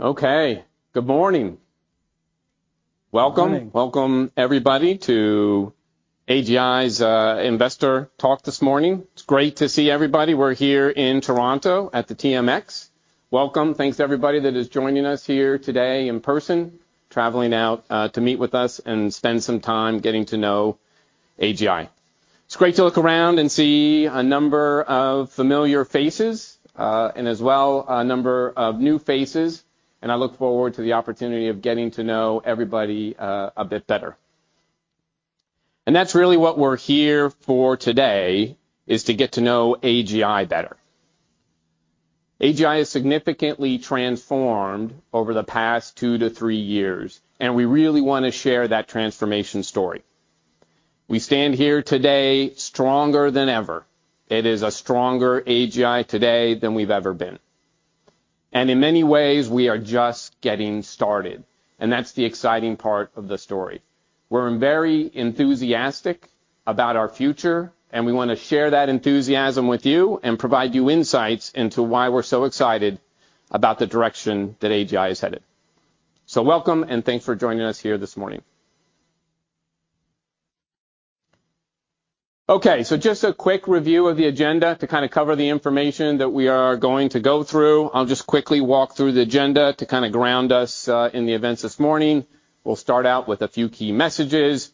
Okay. Good morning. Welcome. Good morning. Welcome everybody to AGI's investor talk this morning. It's great to see everybody. We're here in Toronto at the TMX. Welcome. Thanks everybody that is joining us here today in person, traveling out to meet with us and spend some time getting to know AGI. It's great to look around and see a number of familiar faces, and as well, a number of new faces, and I look forward to the opportunity of getting to know everybody a bit better. That's really what we're here for today, is to get to know AGI better. AGI has significantly transformed over the past two to three years, and we really wanna share that transformation story. We stand here today stronger than ever. It is a stronger AGI today than we've ever been. In many ways, we are just getting started, and that's the exciting part of the story. We're very enthusiastic about our future, and we wanna share that enthusiasm with you and provide you insights into why we're so excited about the direction that AGI is headed. Welcome and thanks for joining us here this morning. Just a quick review of the agenda to kinda cover the information that we are going to go through. I'll just quickly walk through the agenda to kinda ground us in the events this morning. We'll start out with a few key messages.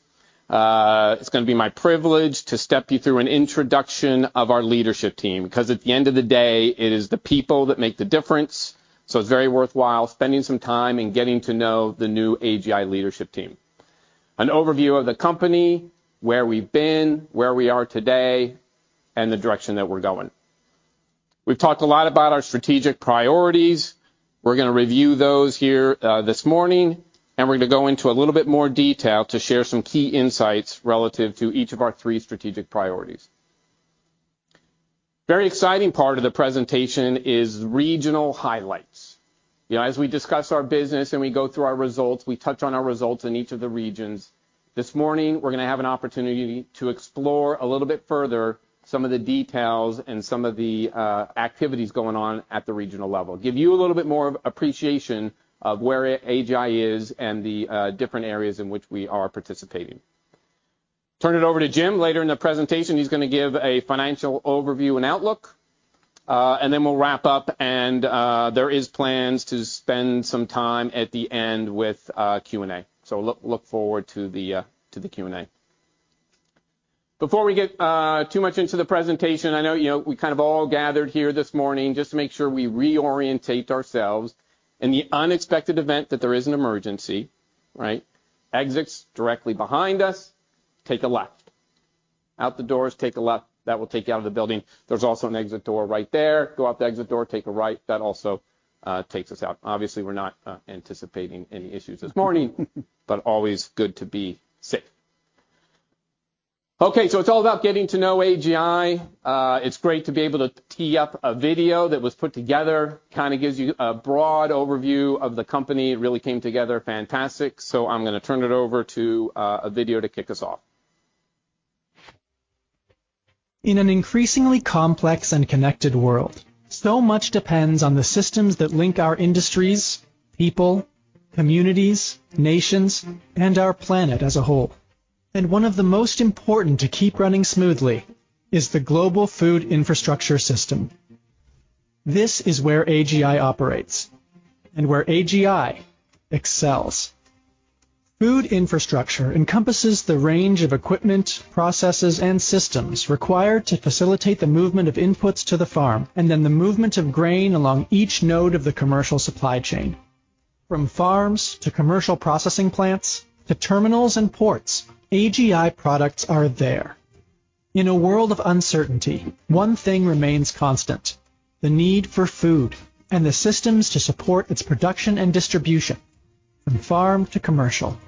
It's gonna be my privilege to step you through an introduction of our leadership team 'cause at the end of the day, it is the people that make the difference. It's very worthwhile spending some time in getting to know the new AGI leadership team. An overview of the company, where we've been, where we are today, and the direction that we're going. We've talked a lot about our strategic priorities. We're gonna review those here this morning, and we're gonna go into a little bit more detail to share some key insights relative to each of our three strategic priorities. Very exciting part of the presentation is regional highlights. You know, as we discuss our business and we go through our results, we touch on our results in each of the regions. This morning, we're gonna have an opportunity to explore a little bit further some of the details and some of the activities going on at the regional level. Give you a little bit more of appreciation of where AGI is and the different areas in which we are participating. Turn it over to Jim later in the presentation. He's gonna give a financial overview and outlook. Then we'll wrap up and there is plans to spend some time at the end with Q&A. Look forward to the Q&A. Before we get too much into the presentation, I know, you know, we kind of all gathered here this morning just to make sure we reorientate ourselves. In the unexpected event that there is an emergency, right? Exits directly behind us, take a left. Out the doors, take a left, that will take you out of the building. There's also an exit door right there. Go out the exit door, take a right. That also takes us out. Obviously, we're not anticipating any issues this morning. Always good to be safe. It's all about getting to know AGI. It's great to be able to tee up a video that was put together, kind of gives you a broad overview of the company. It really came together fantastic. I'm gonna turn it over to a video to kick us off. In an increasingly complex and connected world, so much depends on the systems that link our industries, people, communities, nations, and our planet as a whole. One of the most important to keep running smoothly is the global food infrastructure system. This is where AGI operates and where AGI excels. Food infrastructure encompasses the range of equipment, processes, and systems required to facilitate the movement of inputs to the farm, and then the movement of grain along each node of the commercial supply chain. From farms to commercial processing plants to terminals and ports, AGI products are there. In a world of uncertainty, one thing remains constant: the need for food and the systems to support its production and distribution from farm to commercial.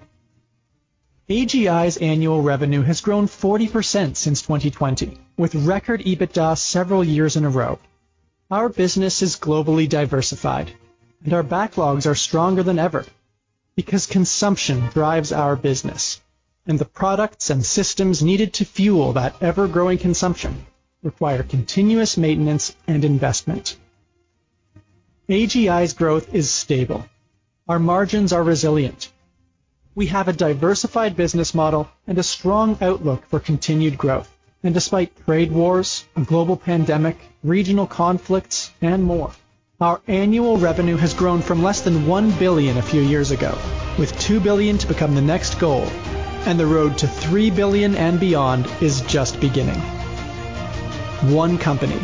AGI's annual revenue has grown 40% since 2020, with record EBITDA several years in a row. Our business is globally diversified, our backlogs are stronger than ever because consumption drives our business, and the products and systems needed to fuel that ever-growing consumption require continuous maintenance and investment. AGI's growth is stable. Our margins are resilient. We have a diversified business model and a strong outlook for continued growth. Despite trade wars, a global pandemic, regional conflicts, and more, our annual revenue has grown from less than 1 billion a few years ago, with 2 billion to become the next goal, and the road to 3 billion and beyond is just beginning. One company,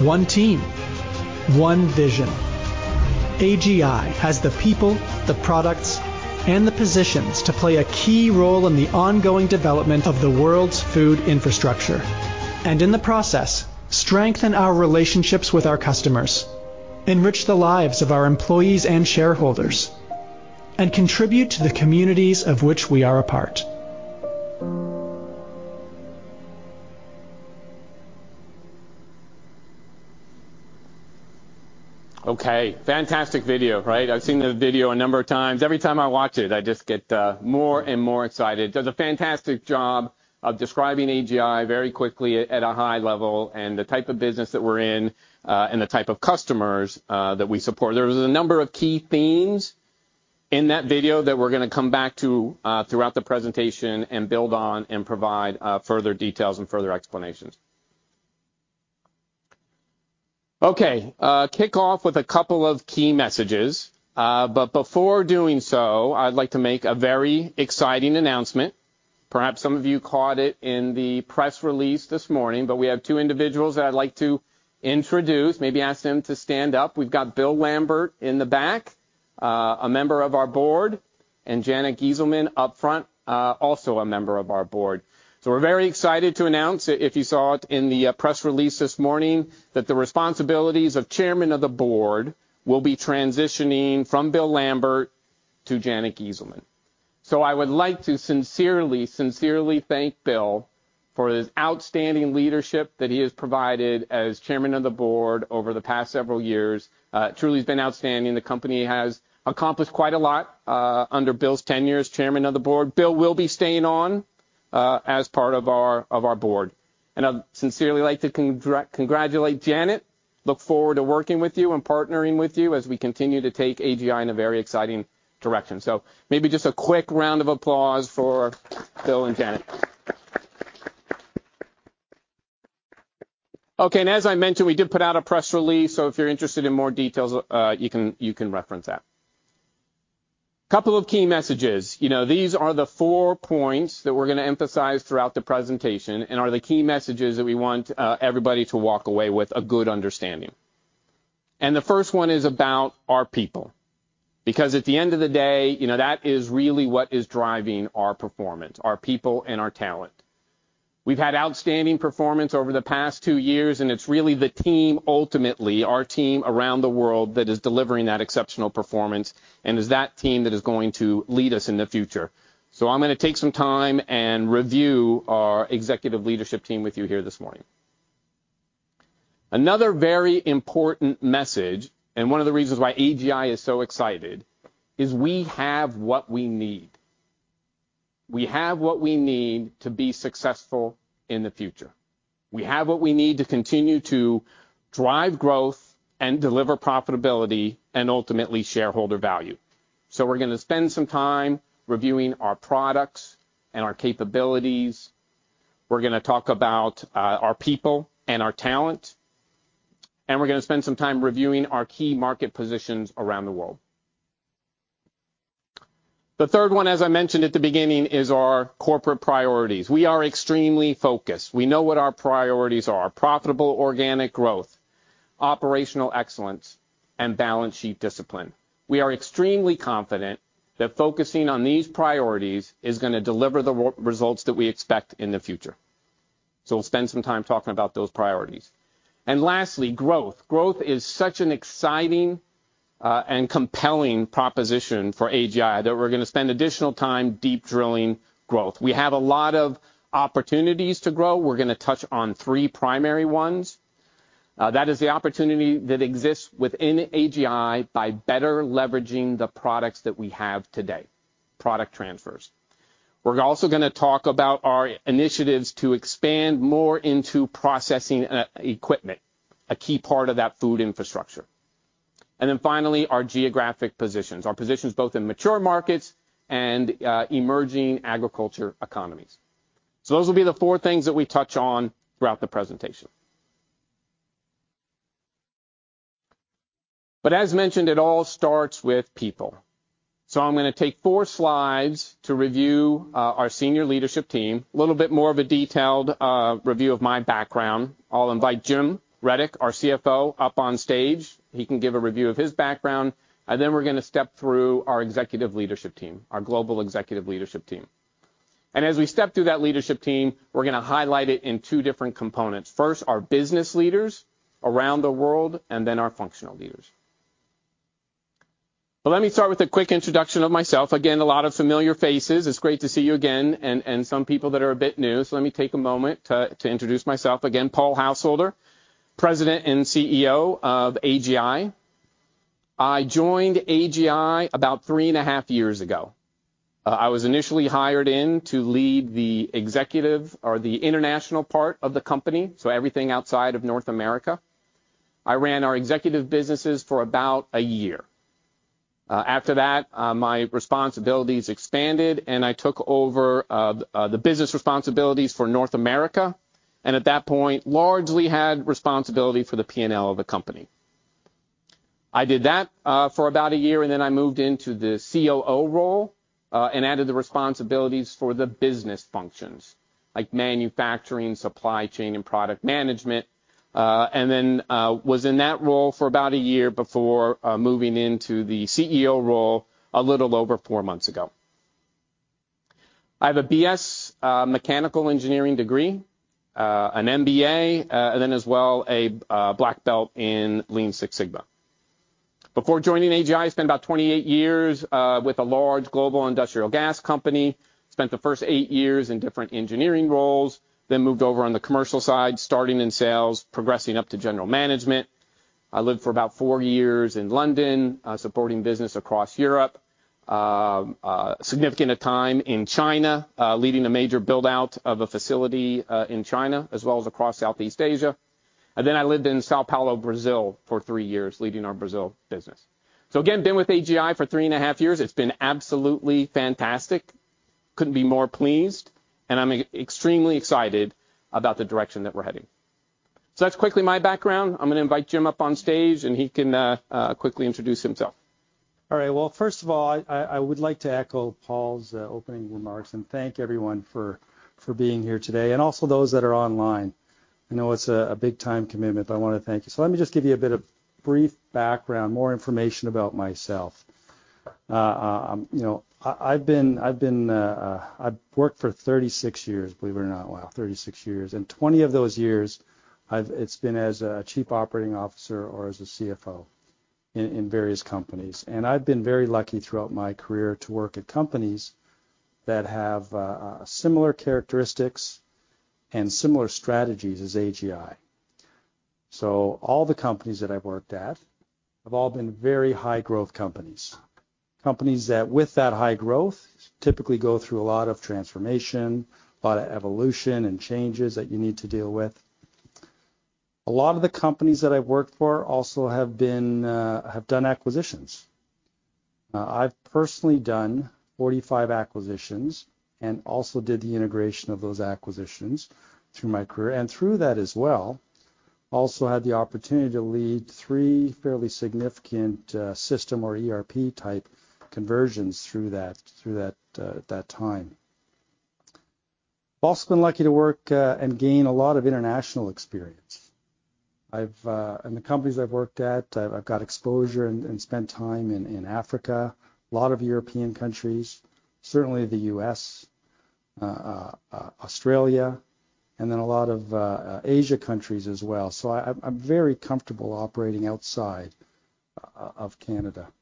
one team, one vision. AGI has the people, the products, and the positions to play a key role in the ongoing development of the world's food infrastructure, and in the process, strengthen our relationships with our customers, enrich the lives of our employees and shareholders, and contribute to the communities of which we are a part. Okay. Fantastic video, right? I've seen the video a number of times. Every time I watch it, I just get more and more excited. Does a fantastic job of describing AGI very quickly at a high level and the type of business that we're in and the type of customers that we support. There was a number of key themes in that video that we're gonna come back to throughout the presentation and build on and provide further details and further explanations. Okay, kick off with a couple of key messages. Before doing so, I'd like to make a very exciting announcement. Perhaps some of you caught it in the press release this morning, but we have two individuals that I'd like to introduce, maybe ask them to stand up. We've got Bill Lambert in the back, a member of our board, and Janet Giesselman up front, also a member of our board. We're very excited to announce, if you saw it in the press release this morning, that the responsibilities of chairman of the board will be transitioning from Bill Lambert to Janet Giesselman. I would like to sincerely thank Bill for his outstanding leadership that he has provided as chairman of the board over the past several years. Truly has been outstanding. The company has accomplished quite a lot, under Bill's tenure as chairman of the board. Bill will be staying on, as part of our, of our board. I'd sincerely like to congratulate Janet. Look forward to working with you and partnering with you as we continue to take AGI in a very exciting direction. Maybe just a quick round of applause for Bill and Janet. Okay, as I mentioned, we did put out a press release, so if you're interested in more details, you can reference that. Couple of key messages. You know, these are the four points that we're gonna emphasize throughout the presentation and are the key messages that we want everybody to walk away with a good understanding. The first one is about our people, because at the end of the day, you know, that is really what is driving our performance, our people and our talent. We've had outstanding performance over the past two years, it's really the team, ultimately our team around the world, that is delivering that exceptional performance and is that team that is going to lead us in the future. I'm gonna take some time and review our executive leadership team with you here this morning. Another very important message, and one of the reasons why AGI is so excited, is we have what we need. We have what we need to be successful in the future. We have what we need to continue to drive growth and deliver profitability and ultimately shareholder value. We're gonna spend some time reviewing our products and our capabilities. We're gonna talk about our people and our talent, and we're gonna spend some time reviewing our key market positions around the world. The third one, as I mentioned at the beginning, is our corporate priorities. We are extremely focused. We know what our priorities are: profitable organic growth, operational excellence, and balance sheet discipline. We are extremely confident that focusing on these priorities is gonna deliver the results that we expect in the future. We'll spend some time talking about those priorities. Lastly, growth. Growth is such an exciting and compelling proposition for AGI that we're gonna spend additional time deep drilling growth. We have a lot of opportunities to grow. We're gonna touch on three primary ones. That is the opportunity that exists within AGI by better leveraging the products that we have today, product transfers. We're also gonna talk about our initiatives to expand more into processing equipment, a key part of that food infrastructure. Finally, our geographic positions. Our positions both in mature markets and emerging agriculture economies. Those will be the four things that we touch on throughout the presentation. As mentioned, it all starts with people. I'm gonna take four slides to review our senior leadership team. A little bit more of a detailed review of my background. I'll invite Jim Rudyk, our CFO, up on stage. He can give a review of his background. We're gonna step through our executive leadership team, our global executive leadership team. As we step through that leadership team, we're gonna highlight it in two different components. First, our business leaders around the world, and then our functional leaders. Let me start with a quick introduction of myself. Again, a lot of familiar faces. It's great to see you again, and some people that are a bit new. Let me take a moment to introduce myself. Again, Paul Householder, President and CEO of AGI. I joined AGI about three and a half years ago. I was initially hired in to lead the executive or the international part of the company, so everything outside of North America. I ran our executive businesses for about a year. After that, my responsibilities expanded, and I took over the business responsibilities for North America, and at that point, largely had responsibility for the P&L of the company. I did that for about a year, I moved into the COO role and added the responsibilities for the business functions like manufacturing, supply chain, and product management. Was in that role for about a year before moving into the CEO role a little over four months ago. I have a B.S., mechanical engineering degree, an MBA, and then as well, a black belt in Lean Six Sigma. Before joining AGI, I spent about 28 years with a large global industrial gas company. Spent the first eight years in different engineering roles, then moved over on the commercial side, starting in sales, progressing up to general management. I lived for about four years in London, supporting business across Europe. Significant time in China, leading a major build-out of a facility in China as well as across Southeast Asia. Then I lived in São Paulo, Brazil, for three years leading our Brazil business. Again, been with AGI for three and a half years. It's been absolutely fantastic. Couldn't be more pleased, and I'm extremely excited about the direction that we're heading. That's quickly my background. I'm gonna invite Jim up on stage, and he can quickly introduce himself. All right. Well, first of all, I would like to echo Paul's opening remarks and thank everyone for being here today and also those that are online. I know it's a big time commitment, but I wanna thank you. Let me just give you a bit of brief background, more information about myself. You know, I've worked for 36 years, believe it or not. Wow, 36 years. 20 of those years it's been as a chief operating officer or as a CFO in various companies. I've been very lucky throughout my career to work at companies that have similar characteristics and similar strategies as AGI. All the companies that I've worked at have all been very high growth companies. Companies that with that high growth typically go through a lot of transformation, a lot of evolution and changes that you need to deal with. A lot of the companies that I've worked for also have been, have done acquisitions. I've personally done 45 acquisitions and also did the integration of those acquisitions through my career. Through that as well, also had the opportunity to lead three fairly significant system or ERP-type conversions through that, through that time. I've also been lucky to work and gain a lot of international experience. In the companies I've worked at, I've got exposure and spent time in Africa, a lot of European countries, certainly the U.S., Australia, and then a lot of Asia countries as well. I'm, I'm very comfortable operating outside of Canada.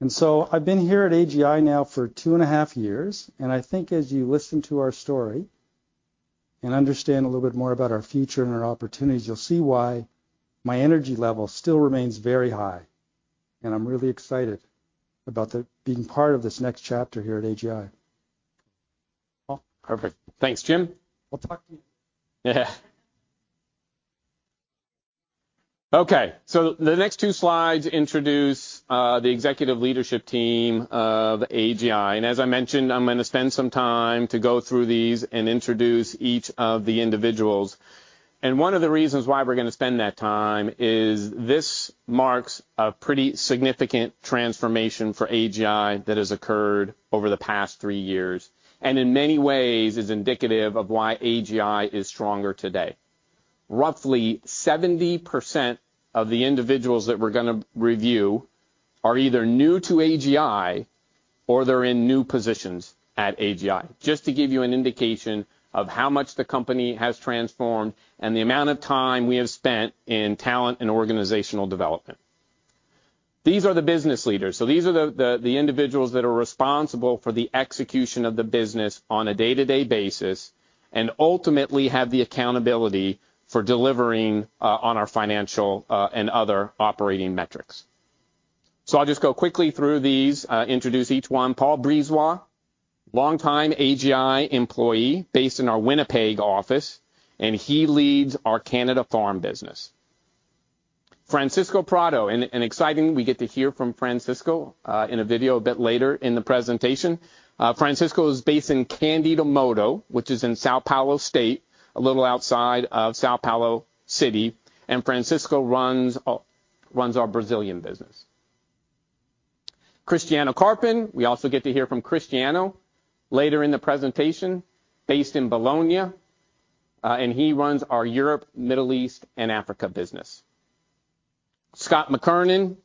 I've been here at AGI now for two and a half years, and I think as you listen to our story and understand a little bit more about our future and our opportunities, you'll see why my energy level still remains very high, and I'm really excited about being part of this next chapter here at AGI. Well, perfect. Thanks, Jim. We'll talk to you. Yeah. Okay. The next two slides introduce, the executive leadership team of AGI. As I mentioned, I'm gonna spend some time to go through these and introduce each of the individuals. One of the reasons why we're gonna spend that time is this marks a pretty significant transformation for AGI that has occurred over the past three years, and in many ways is indicative of why AGI is stronger today. Roughly 70% of the individuals that we're gonna review are either new to AGI or they're in new positions at AGI, just to give you an indication of how much the company has transformed and the amount of time we have spent in talent and organizational development. These are the business leaders. These are the individuals that are responsible for the execution of the business on a day-to-day basis and ultimately have the accountability for delivering on our financial and other operating metrics. I'll just go quickly through these, introduce each one. Paul Brisebois, longtime AGI employee based in our Winnipeg office, and he leads our Canada farm business. Francisco Prado, and exciting we get to hear from Francisco in a video a bit later in the presentation. Francisco is based in Cândido Mota, which is in São Paulo State, a little outside of São Paulo City, and Francisco runs our Brazilian business. Cristiano Carpin, we also get to hear from Cristiano later in the presentation, based in Bologna, and he runs our Europe, Middle East, and Africa business. Scott McKernan,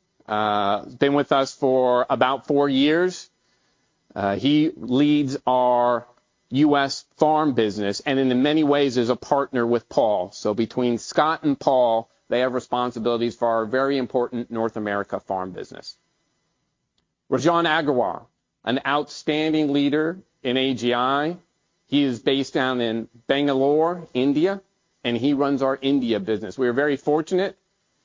been with us for about four years. He leads our U.S. farm business and in many ways is a partner with Paul. Between Scott and Paul, they have responsibilities for our very important North America farm business. Rajan Aggarwal, an outstanding leader in AGI. He is based down in Bangalore, India, and he runs our India business. We are very fortunate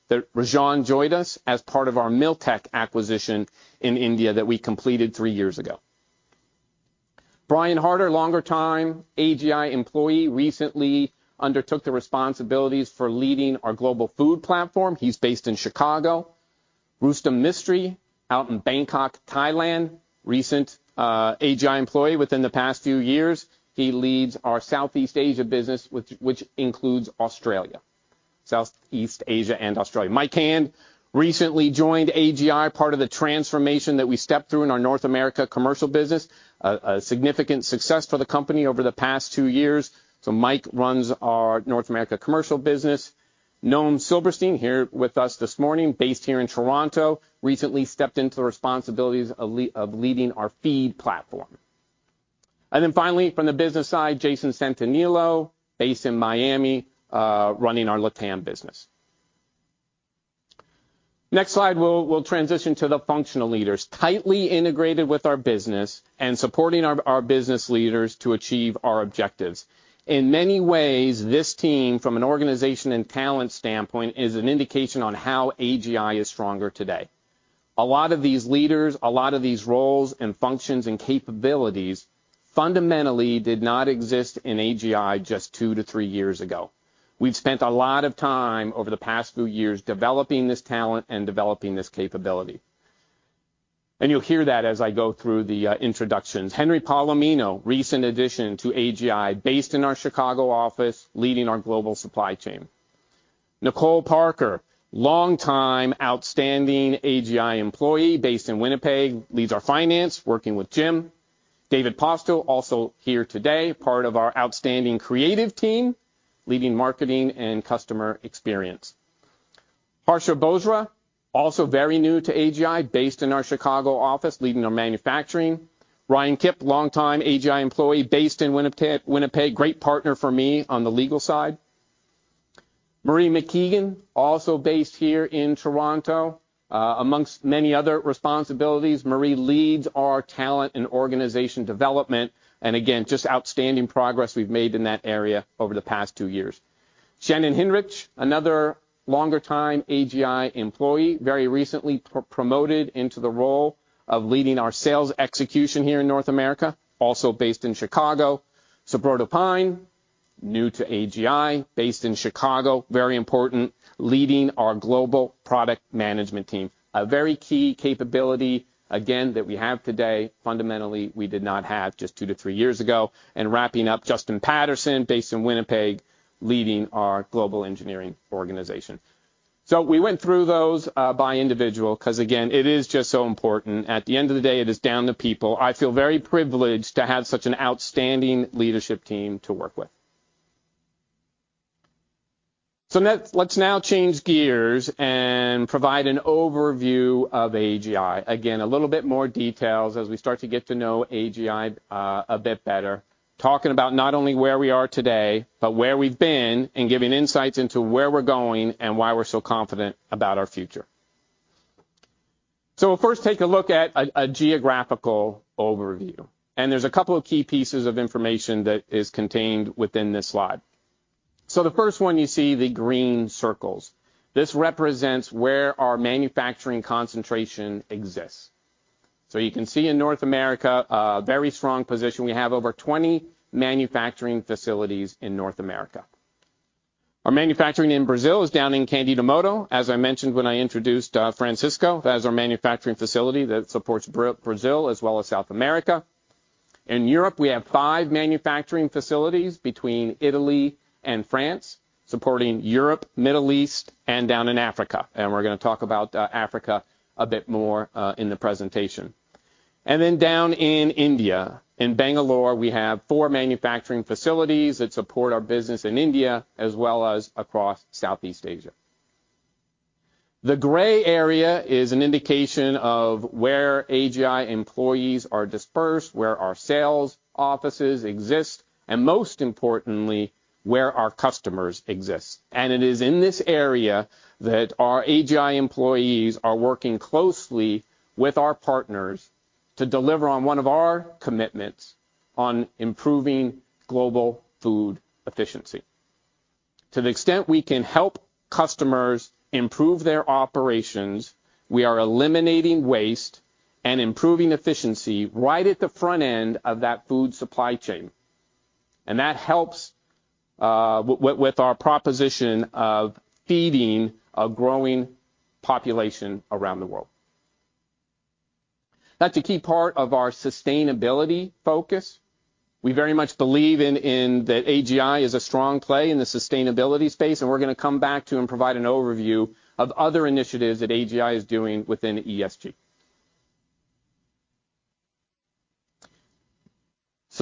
that Rajan joined us as part of our Milltec acquisition in India that we completed three years ago. Brian Harder, longer time AGI employee, recently undertook the responsibilities for leading our global food platform. He is based in Chicago. Rustom Mistry out in Bangkok, Thailand, recent AGI employee within the past few years. He leads our Southeast Asia business, which includes Australia. Southeast Asia and Australia. Mike Hand recently joined AGI, part of the transformation that we stepped through in our North America commercial business, a significant success for the company over the past two years. Mike runs our North America commercial business. Noam Silberstein, here with us this morning, based here in Toronto, recently stepped into the responsibilities of leading our feed platform. Finally, from the business side, Justin Paterson, based in Miami, running our LatAm business. Next slide, we'll transition to the functional leaders, tightly integrated with our business and supporting our business leaders to achieve our objectives. In many ways, this team, from an organization and talent standpoint, is an indication on how AGI is stronger today. A lot of these leaders, a lot of these roles and functions and capabilities fundamentally did not exist in AGI just two to three years ago. We've spent a lot of time over the past few years developing this talent and developing this capability. You'll hear that as I go through the introductions. Henry Palomino, recent addition to AGI, based in our Chicago office, leading our global supply chain. Nicolle Parker, long-time outstanding AGI employee based in Winnipeg, leads our finance, working with Jim. David Postill, also here today, part of our outstanding creative team, leading marketing and customer experience. Harsha Bhojraj, also very new to AGI, based in our Chicago office, leading our manufacturing. Ryan Kipp, longtime AGI employee based in Winnipeg, great partner for me on the legal side. Marie McKeegan, also based here in Toronto. Amongst many other responsibilities, Marie leads our talent and organization development, and again, just outstanding progress we've made in that area over the past two years. Shannon Hinrichs, another longer time AGI employee, very recently promoted into the role of leading our sales execution here in North America, also based in Chicago. Subroto Pyne, new to AGI, based in Chicago. Very important, leading our global product management team. A very key capability again that we have today, fundamentally, we did not have just two to three years ago. Wrapping up, Justin Paterson, based in Winnipeg, leading our global engineering organization. We went through those by individual 'cause again, it is just so important. At the end of the day, it is down to people. I feel very privileged to have such an outstanding leadership team to work with. Let's now change gears and provide an overview of AGI. Again, a little bit more details as we start to get to know AGI a bit better. Talking about not only where we are today, but where we've been, and giving insights into where we're going and why we're so confident about our future. We'll first take a look at a geographical overview, and there's a couple of key pieces of information that is contained within this slide. The first one, you see the green circles. This represents where our manufacturing concentration exists. You can see in North America a very strong position. We have over 20 manufacturing facilities in North America. Our manufacturing in Brazil is down in Cândido Mota. As I mentioned when I introduced Francisco, that is our manufacturing facility that supports Brazil as well as South America. In Europe, we have five manufacturing facilities between Italy and France, supporting Europe, Middle East, and down in Africa. We're gonna talk about Africa a bit more in the presentation. Down in India, in Bangalore, we have four manufacturing facilities that support our business in India as well as across Southeast Asia. The gray area is an indication of where AGI employees are dispersed, where our sales offices exist, and most importantly, where our customers exist. It is in this area that our AGI employees are working closely with our partners to deliver on one of our commitments on improving global food efficiency. To the extent we can help customers improve their operations, we are eliminating waste and improving efficiency right at the front end of that food supply chain. That helps with our proposition of feeding a growing population around the world. That's a key part of our sustainability focus. We very much believe in that AGI is a strong play in the sustainability space, and we're gonna come back to and provide an overview of other initiatives that AGI is doing within ESG.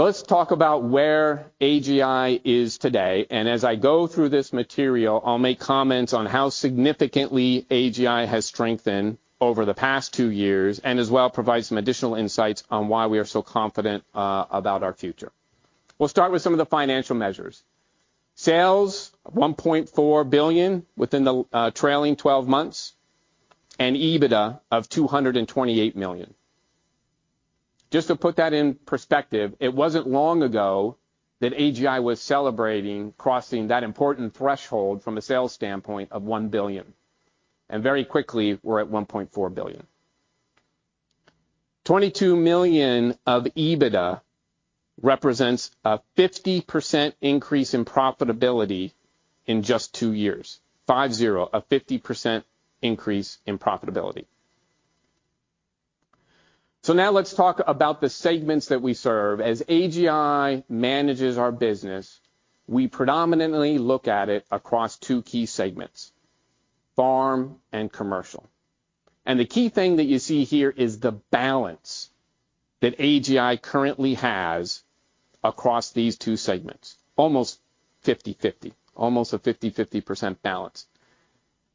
Let's talk about where AGI is today, and as I go through this material, I'll make comments on how significantly AGI has strengthened over the past two years and as well provide some additional insights on why we are so confident about our future. We'll start with some of the financial measures. Sales, $1.4 billion within the trailing 12 months, and EBITDA of $228 million. Just to put that in perspective, it wasn't long ago that AGI was celebrating crossing that important threshold from a sales standpoint of 1 billion. Very quickly, we're at 1.4 billion. 22 million of EBITDA represents a 50% increase in profitability in just two years. Five zero, a 50% increase in profitability. Now let's talk about the segments that we serve. As AGI manages our business, we predominantly look at it across two key segments: farm and commercial. The key thing that you see here is the balance that AGI currently has across these two segments, almost 50/50. Almost a 50%/50% balance.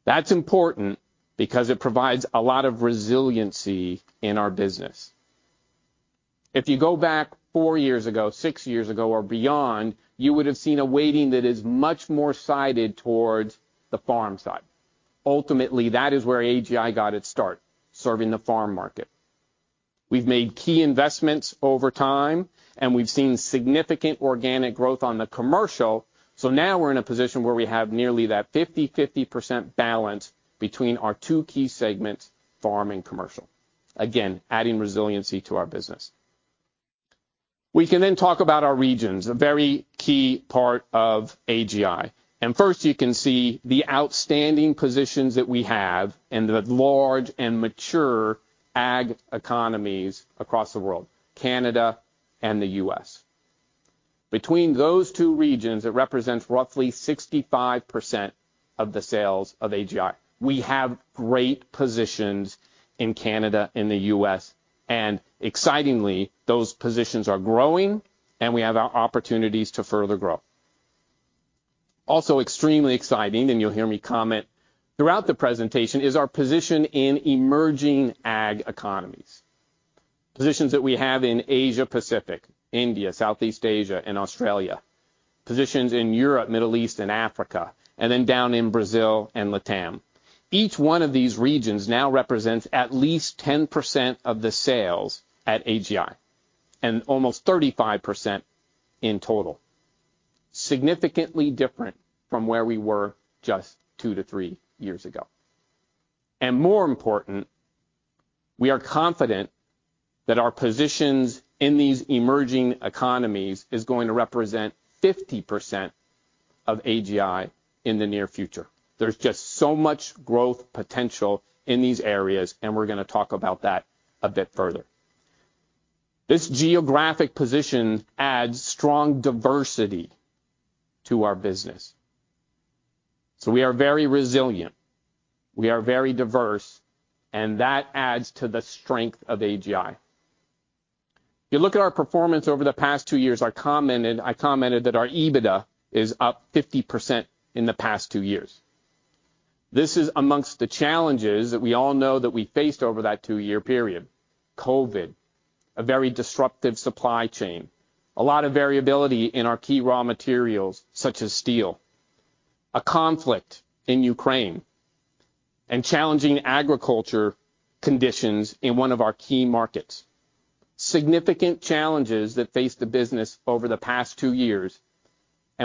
That's important because it provides a lot of resiliency in our business. If you go back four years ago, six years ago or beyond, you would have seen a weighting that is much more sided towards the farm side. Ultimately, that is where AGI got its start, serving the farm market. We've made key investments over time, and we've seen significant organic growth on the commercial. Now we're in a position where we have nearly that 50%, 50% balance between our two key segments, farm and commercial. Again, adding resiliency to our business. We can talk about our regions, a very key part of AGI. First, you can see the outstanding positions that we have and the large and mature ag economies across the world, Canada and the U.S. Between those two regions, it represents roughly 65% of the sales of AGI. We have great positions in Canada and the U.S., and excitingly, those positions are growing, and we have our opportunities to further grow. Also extremely exciting, and you'll hear me comment throughout the presentation, is our position in emerging ag economies. Positions that we have in Asia Pacific, India, Southeast Asia and Australia. Positions in Europe, Middle East and Africa, and then down in Brazil and LatAm. Each one of these regions now represents at least 10% of the sales at AGI and almost 35% in total. Significantly different from where we were just two to three years ago. More important, we are confident that our positions in these emerging economies is going to represent 50% of AGI in the near future. There's just so much growth potential in these areas, and we're going to talk about that a bit further. This geographic position adds strong diversity to our business. We are very resilient, we are very diverse, and that adds to the strength of AGI. If you look at our performance over the past two years, I commented that our EBITDA is up 50% in the past two years. This is amongst the challenges that we all know that we faced over that two-year period. COVID, a very disruptive supply chain, a lot of variability in our key raw materials such as steel, a conflict in Ukraine, and challenging agriculture conditions in one of our key markets. Significant challenges that faced the business over the past two years,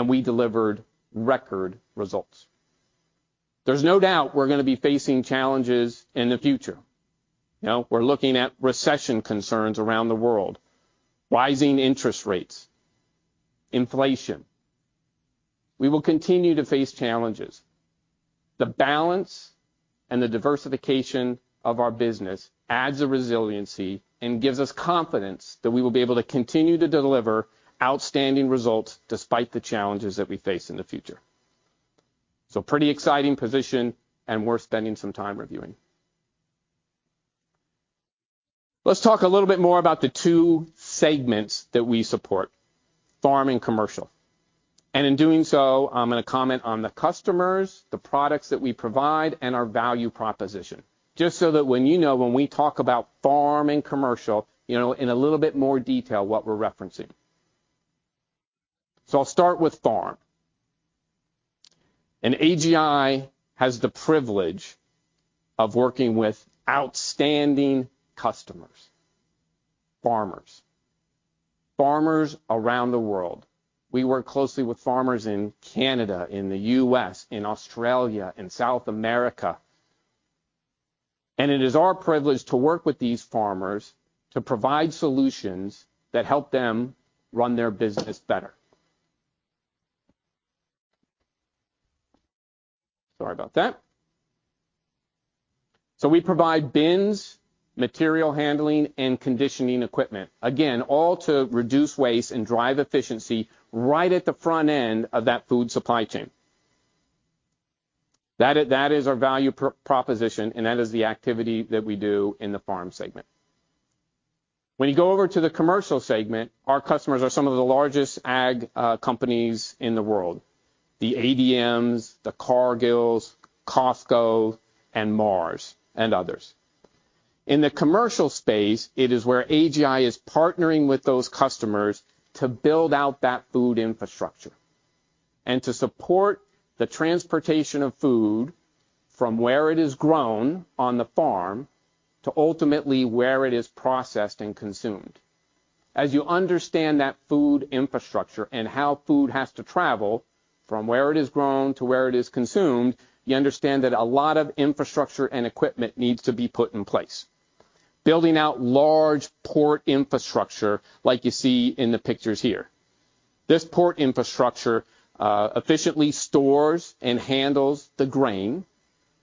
we delivered record results. There's no doubt we're going to be facing challenges in the future. You know, we're looking at recession concerns around the world, rising interest rates, inflation. We will continue to face challenges. The balance and the diversification of our business adds a resiliency and gives us confidence that we will be able to continue to deliver outstanding results despite the challenges that we face in the future. Pretty exciting position and worth spending some time reviewing. Let's talk a little bit more about the two segments that we support: farm and commercial. In doing so, I'm going to comment on the customers, the products that we provide, and our value proposition. Just so that when you know, when we talk about farm and commercial, you know, in a little bit more detail what we're referencing. I'll start with farm. AGI has the privilege of working with outstanding customers, farmers. Farmers around the world. We work closely with farmers in Canada, in the U.S., in Australia, in South America. It is our privilege to work with these farmers to provide solutions that help them run their business better. Sorry about that. We provide bins, material handling and conditioning equipment. Again, all to reduce waste and drive efficiency right at the front end of that food supply chain. That is our value pro-proposition, and that is the activity that we do in the farm segment. When you go over to the commercial segment, our customers are some of the largest ag companies in the world. The ADMs, the Cargills, Costco, and Mars, and others. In the commercial space, it is where AGI is partnering with those customers to build out that food infrastructure and to support the transportation of food from where it is grown on the farm to ultimately where it is processed and consumed. As you understand that food infrastructure and how food has to travel from where it is grown to where it is consumed, you understand that a lot of infrastructure and equipment needs to be put in place. Building out large port infrastructure like you see in the pictures here. This port infrastructure efficiently stores and handles the grain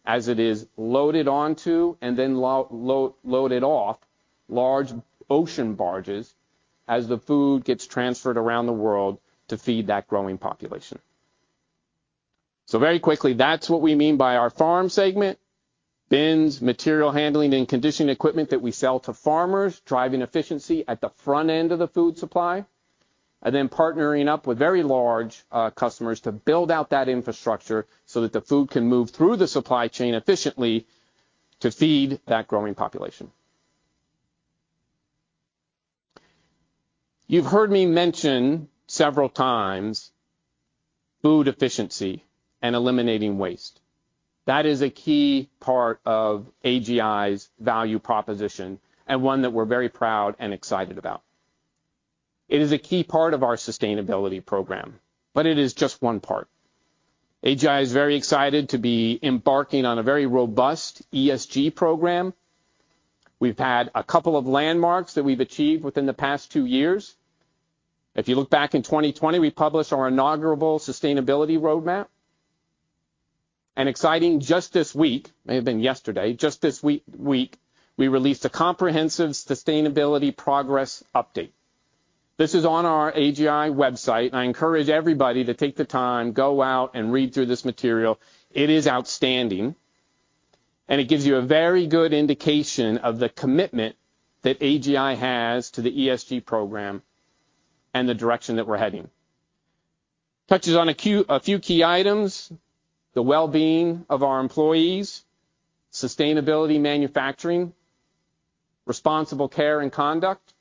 as it is loaded onto and then loaded off large ocean barges as the food gets transferred around the world to feed that growing population. Very quickly, that's what we mean by our farm segment. Bins, material handling and conditioning equipment that we sell to farmers, driving efficiency at the front end of the food supply, and then partnering up with very large customers to build out that infrastructure so that the food can move through the supply chain efficiently to feed that growing population. You've heard me mention several times food efficiency and eliminating waste. That is a key part of AGI's value proposition and one that we're very proud and excited about. It is a key part of our sustainability program, but it is just one part. AGI is very excited to be embarking on a very robust ESG program. We've had a couple of landmarks that we've achieved within the past two years. If you look back in 2020, we published our inaugural sustainability roadmap. Exciting, just this week, may have been yesterday, just this week, we released a comprehensive sustainability progress update. This is on our AGI website. I encourage everybody to take the time, go out, and read through this material. It is outstanding, and it gives you a very good indication of the commitment that AGI has to the ESG program and the direction that we're heading. Touches on a few key items: the well-being of our employees, sustainability manufacturing, responsible care and conduct,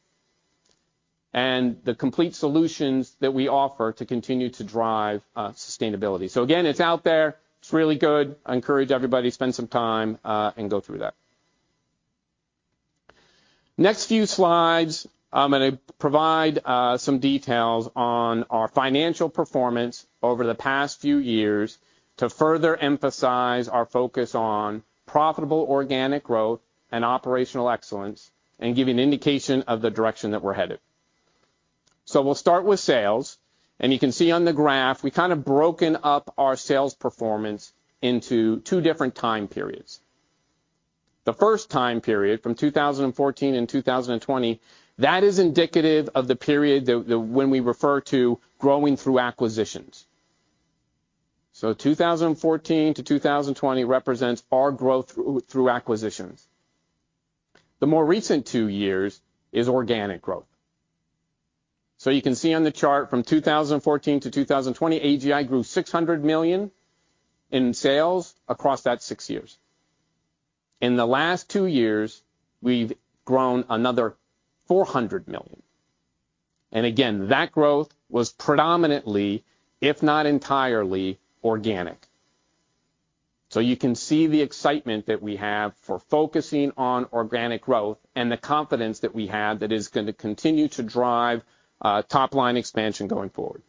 and the complete solutions that we offer to continue to drive sustainability. Again, it's out there. It's really good. I encourage everybody to spend some time and go through that. Next few slides, I'm gonna provide some details on our financial performance over the past few years to further emphasize our focus on profitable organic growth and operational excellence and give you an indication of the direction that we're headed. We'll start with sales, and you can see on the graph, we've kind of broken up our sales performance into two different time periods. The first time period, from 2014 and 2020, that is indicative of the period when we refer to growing through acquisitions. 2014 to 2020 represents our growth through acquisitions. The more recent two years is organic growth. You can see on the chart from 2014 to 2020, AGI grew 600 million in sales across that six years. In the last two years, we've grown another 400 million. Again, that growth was predominantly, if not entirely, organic. You can see the excitement that we have for focusing on organic growth and the confidence that we have that is gonna continue to drive top-line expansion going forward.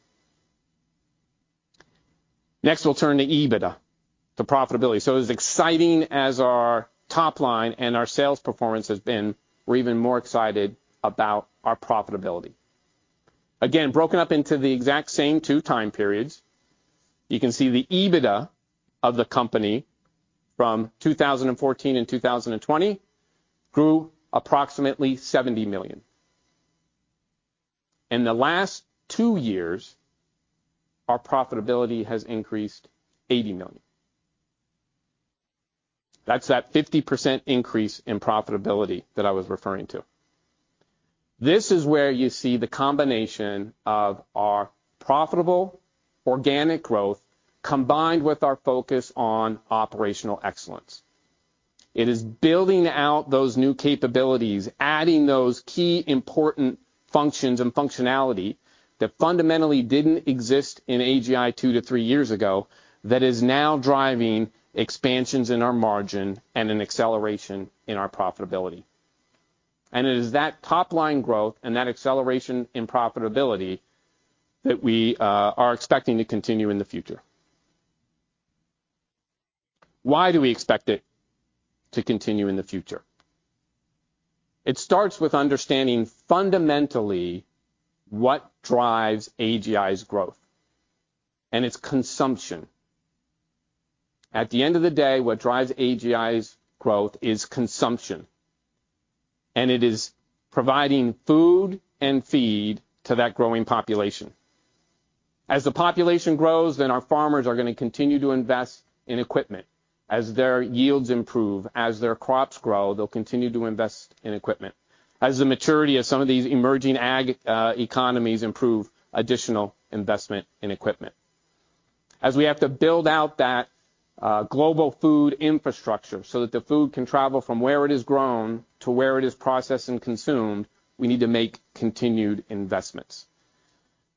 Next, we'll turn to EBITDA, to profitability. As exciting as our top line and our sales performance has been, we're even more excited about our profitability. Again, broken up into the exact same 2x periods. You can see the EBITDA of the company from 2014 and 2020 grew approximately 70 million. In the last two years, our profitability has increased 80 million. That's that 50% increase in profitability that I was referring to. This is where you see the combination of our profitable organic growth combined with our focus on operational excellence. It is building out those new capabilities, adding those key important functions and functionality that fundamentally didn't exist in AGI two to three years ago that is now driving expansions in our margin and an acceleration in our profitability. It is that top-line growth and that acceleration in profitability that we are expecting to continue in the future. Why do we expect it to continue in the future? It starts with understanding fundamentally what drives AGI's growth, and it's consumption. At the end of the day, what drives AGI's growth is consumption, and it is providing food and feed to that growing population. As the population grows, then our farmers are gonna continue to invest in equipment. As their yields improve, as their crops grow, they'll continue to invest in equipment. As the maturity of some of these emerging ag economies improve, additional investment in equipment. As we have to build out that global food infrastructure so that the food can travel from where it is grown to where it is processed and consumed, we need to make continued investments.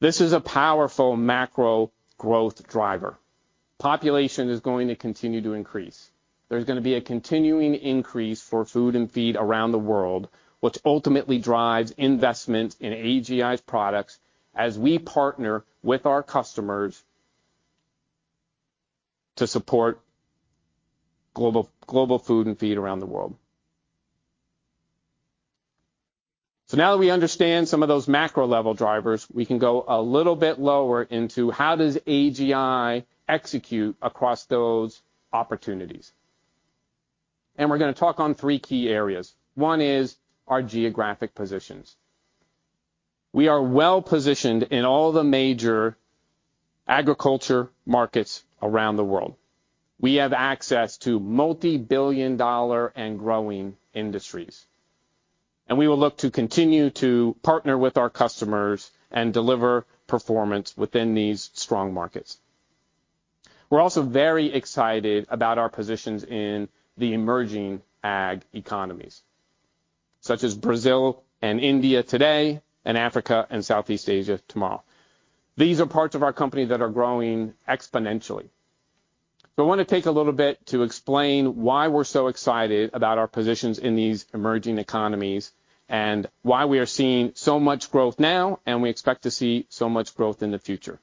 This is a powerful macro growth driver. Population is going to continue to increase. There's gonna be a continuing increase for food and feed around the world, which ultimately drives investment in AGI's products as we partner with our customers to support global food and feed around the world. Now that we understand some of those macro-level drivers, we can go a little bit lower into how does AGI execute across those opportunities. We're gonna talk on three key areas. One is our geographic positions. We are well-positioned in all the major agriculture markets around the world. We have access to multi-billion dollar and growing industries. We will look to continue to partner with our customers and deliver performance within these strong markets. We're also very excited about our positions in the emerging ag economies, such as Brazil and India today, and Africa and Southeast Asia tomorrow. These are parts of our company that are growing exponentially. I wanna take a little bit to explain why we're so excited about our positions in these emerging economies and why we are seeing so much growth now and we expect to see so much growth in the future.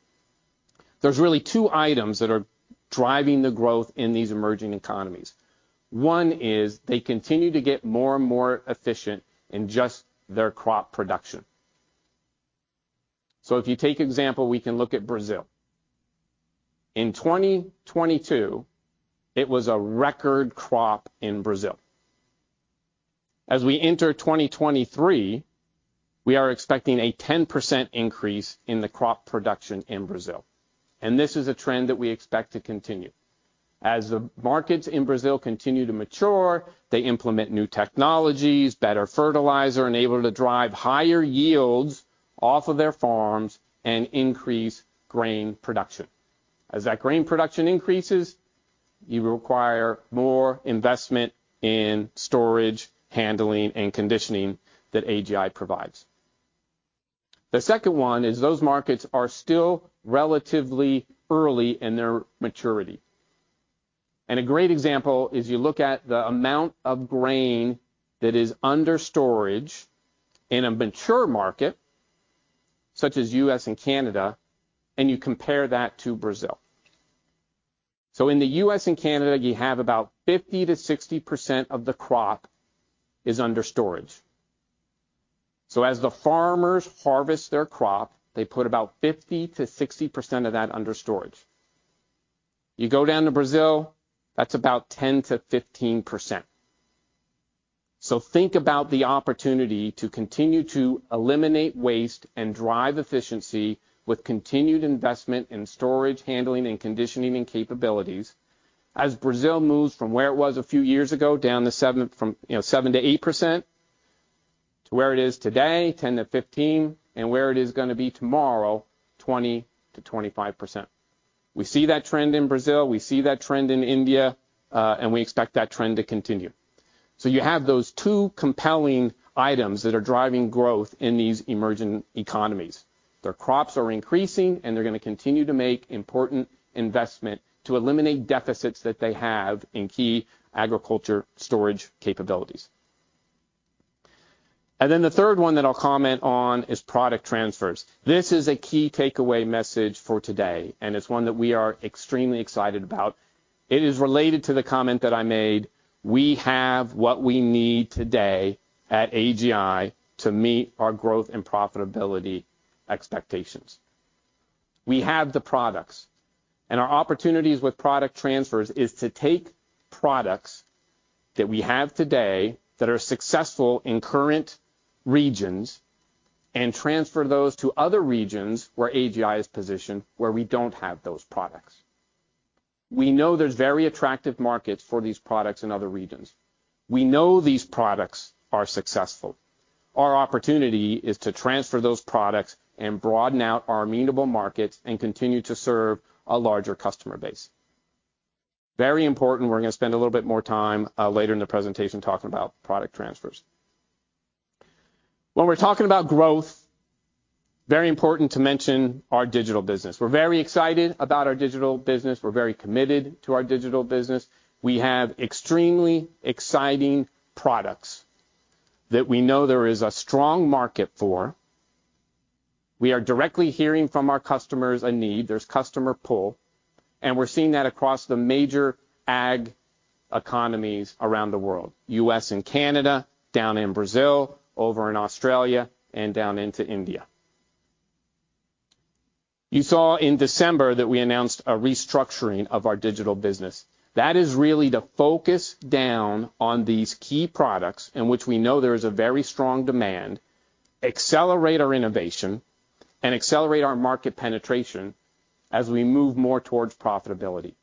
There's really two items that are driving the growth in these emerging economies. One is they continue to get more and more efficient in just their crop production. If you take example, we can look at Brazil. In 2022, it was a record crop in Brazil. As we enter 2023, we are expecting a 10% increase in the crop production in Brazil. This is a trend that we expect to continue. As the markets in Brazil continue to mature, they implement new technologies, better fertilizer, and able to drive higher yields off of their farms and increase grain production. As that grain production increases, you require more investment in storage, handling, and conditioning that AGI provides. The second one is those markets are still relatively early in their maturity. A great example is you look at the amount of grain that is under storage in a mature market, such as U.S. and Canada, and you compare that to Brazil. In the U.S. and Canada, you have about 50%-60% of the crop is under storage. As the farmers harvest their crop, they put about 50%-60% of that under storage. You go down to Brazil, that's about 10%-15%. Think about the opportunity to continue to eliminate waste and drive efficiency with continued investment in storage, handling, and conditioning, and capabilities as Brazil moves from where it was a few years ago, down to, you know, 7%-8% to where it is today, 10%-15%, and where it is going to be tomorrow, 20%-25%. We see that trend in Brazil, we see that trend in India, and we expect that trend to continue. You have those two compelling items that are driving growth in these emerging economies. Their crops are increasing, they're gonna continue to make important investment to eliminate deficits that they have in key agriculture storage capabilities. The third one that I'll comment on is product transfers. This is a key takeaway message for today, and it's one that we are extremely excited about. It is related to the comment that I made. We have what we need today at AGI to meet our growth and profitability expectations. We have the products, and our opportunities with product transfers is to take products that we have today that are successful in current regions and transfer those to other regions where AGI is positioned, where we don't have those products. We know there's very attractive markets for these products in other regions. We know these products are successful. Our opportunity is to transfer those products and broaden out our amenable markets and continue to serve a larger customer base. Very important. We're gonna spend a little bit more time later in the presentation talking about product transfers. When we're talking about growth, very important to mention our digital business. We're very excited about our digital business. We're very committed to our digital business. We have extremely exciting products that we know there is a strong market for. We are directly hearing from our customers a need. There's customer pull, and we're seeing that across the major ag economies around the world: U.S. and Canada, down in Brazil, over in Australia, and down into India. You saw in December that we announced a restructuring of our digital business. That is really to focus down on these key products in which we know there is a very strong demand, accelerate our innovation, and accelerate our market penetration as we move more towards profitability.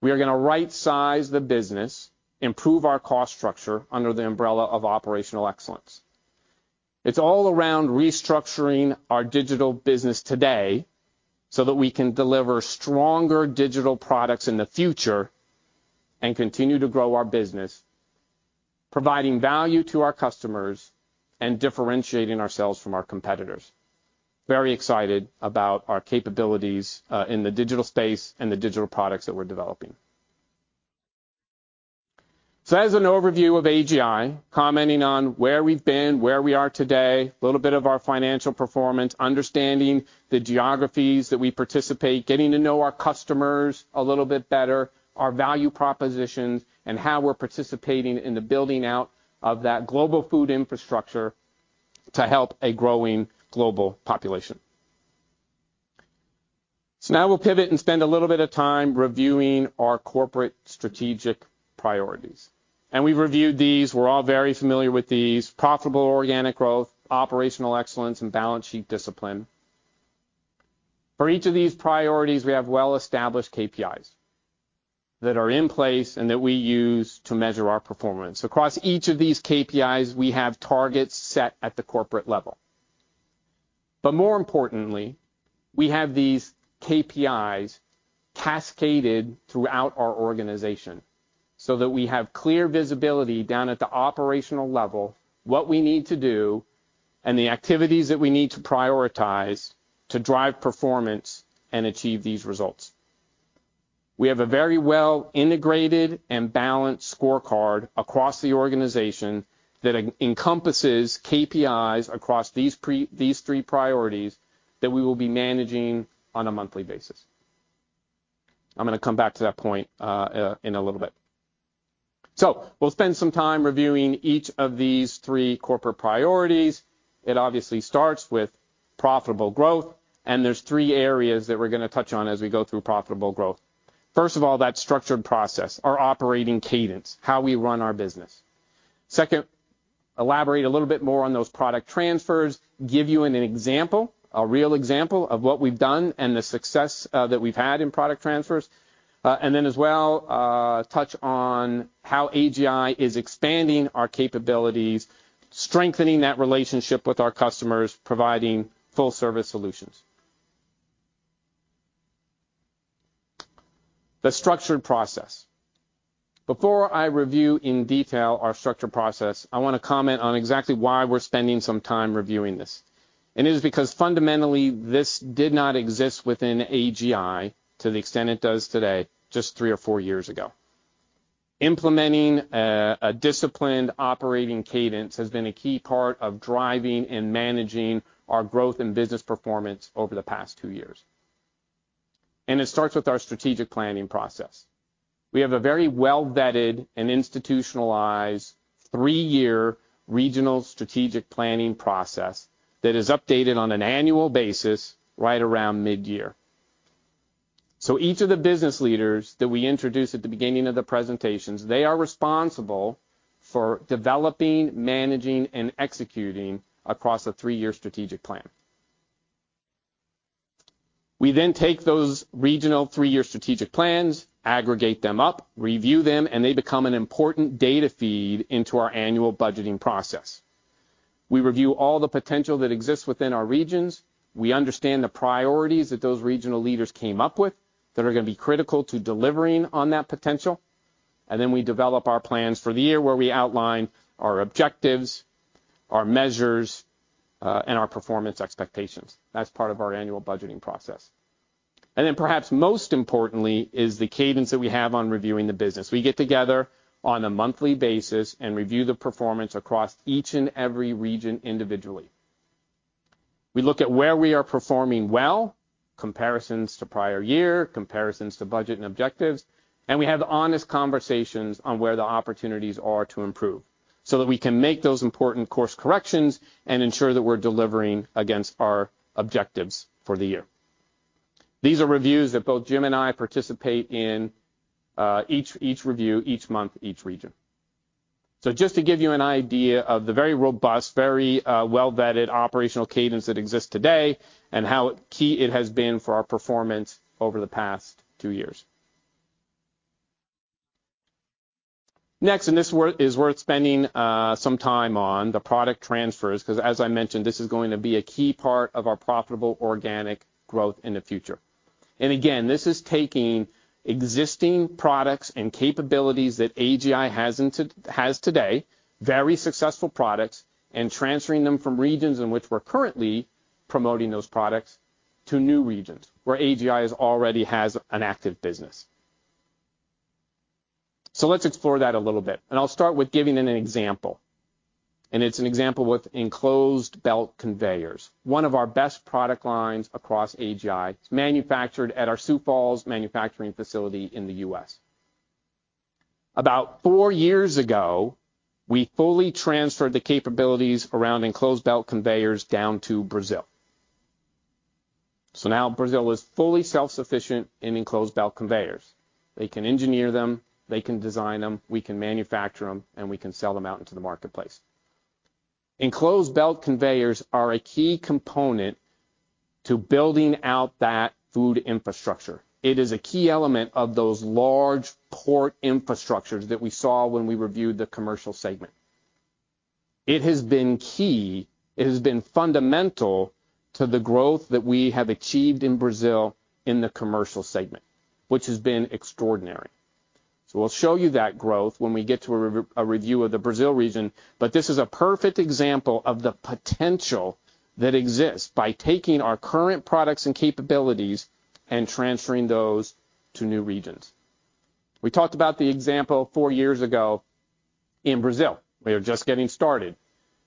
We are gonna right-size the business, improve our cost structure under the umbrella of operational excellence. It's all around restructuring our digital business today so that we can deliver stronger digital products in the future and continue to grow our business, providing value to our customers, and differentiating ourselves from our competitors. Very excited about our capabilities in the digital space and the digital products that we're developing. As an overview of AGI, commenting on where we've been, where we are today, a little bit of our financial performance, understanding the geographies that we participate, getting to know our customers a little bit better, our value propositions, and how we're participating in the building out of that global food infrastructure to help a growing global population. Now we'll pivot and spend a little bit of time reviewing our corporate strategic priorities. We've reviewed these. We're all very familiar with these: profitable organic growth, operational excellence, and balance sheet discipline. For each of these priorities, we have well-established KPIs that are in place and that we use to measure our performance. Across each of these KPIs, we have targets set at the corporate level. More importantly, we have these KPIs cascaded throughout our organization so that we have clear visibility down at the operational level, what we need to do, and the activities that we need to prioritize to drive performance and achieve these results. We have a very well integrated and balanced scorecard across the organization that encompasses KPIs across these three priorities that we will be managing on a monthly basis. I'm gonna come back to that point in a little bit. We'll spend some time reviewing each of these three corporate priorities. Obviously starts with profitable growth, there's three areas that we're gonna touch on as we go through profitable growth. First of all, that structured process, our operating cadence, how we run our business. Second, elaborate a little bit more on those product transfers, give you an example, a real example of what we've done and the success that we've had in product transfers, and then as well, touch on how AGI is expanding our capabilities, strengthening that relationship with our customers, providing full service solutions. The structured process. Before I review in detail our structured process, I wanna comment on exactly why we're spending some time reviewing this. It is because fundamentally, this did not exist within AGI to the extent it does today just three or four years ago. Implementing a disciplined operating cadence has been a key part of driving and managing our growth and business performance over the past two years. It starts with our strategic planning process. We have a very well-vetted and institutionalized three-year regional strategic planning process that is updated on an annual basis right around mid-year. Each of the business leaders that we introduced at the beginning of the presentations, they are responsible for developing, managing, and executing across a three-year strategic plan. We then take those regional three-year strategic plans, aggregate them up, review them, and they become an important data feed into our annual budgeting process. We review all the potential that exists within our regions. We understand the priorities that those regional leaders came up with that are gonna be critical to delivering on that potential. We develop our plans for the year where we outline our objectives, our measures, and our performance expectations. That's part of our annual budgeting process. Perhaps most importantly is the cadence that we have on reviewing the business. We get together on a monthly basis and review the performance across each and every region individually. We look at where we are performing well, comparisons to prior year, comparisons to budget and objectives, and we have honest conversations on where the opportunities are to improve so that we can make those important course corrections and ensure that we're delivering against our objectives for the year. These are reviews that both Jim and I participate in, each review, each month, each region. Just to give you an idea of the very robust, very, well-vetted operational cadence that exists today and how key it has been for our performance over the past two years. Next, this is worth spending some time on, the product transfers, because as I mentioned, this is going to be a key part of our profitable organic growth in the future. Again, this is taking existing products and capabilities that AGI has today, very successful products, and transferring them from regions in which we're currently promoting those products to new regions where AGI already has an active business. Let's explore that a little bit. I'll start with giving an example. It's an example with Enclosed Belt Conveyors. One of our best product lines across AGI. It's manufactured at our Sioux Falls manufacturing facility in the U.S. About four years ago, we fully transferred the capabilities around Enclosed Belt Conveyors down to Brazil. Now Brazil is fully self-sufficient in Enclosed Belt Conveyors. They can engineer them, they can design them, we can manufacture them, and we can sell them out into the marketplace. Enclosed Belt Conveyors are a key component to building out that food infrastructure. It is a key element of those large port infrastructures that we saw when we reviewed the commercial segment. It has been key, it has been fundamental to the growth that we have achieved in Brazil in the commercial segment, which has been extraordinary. We'll show you that growth when we get to a review of the Brazil region, This is a perfect example of the potential that exists by taking our current products and capabilities and transferring those to new regions. We talked about the example four years ago in Brazil. We are just getting started.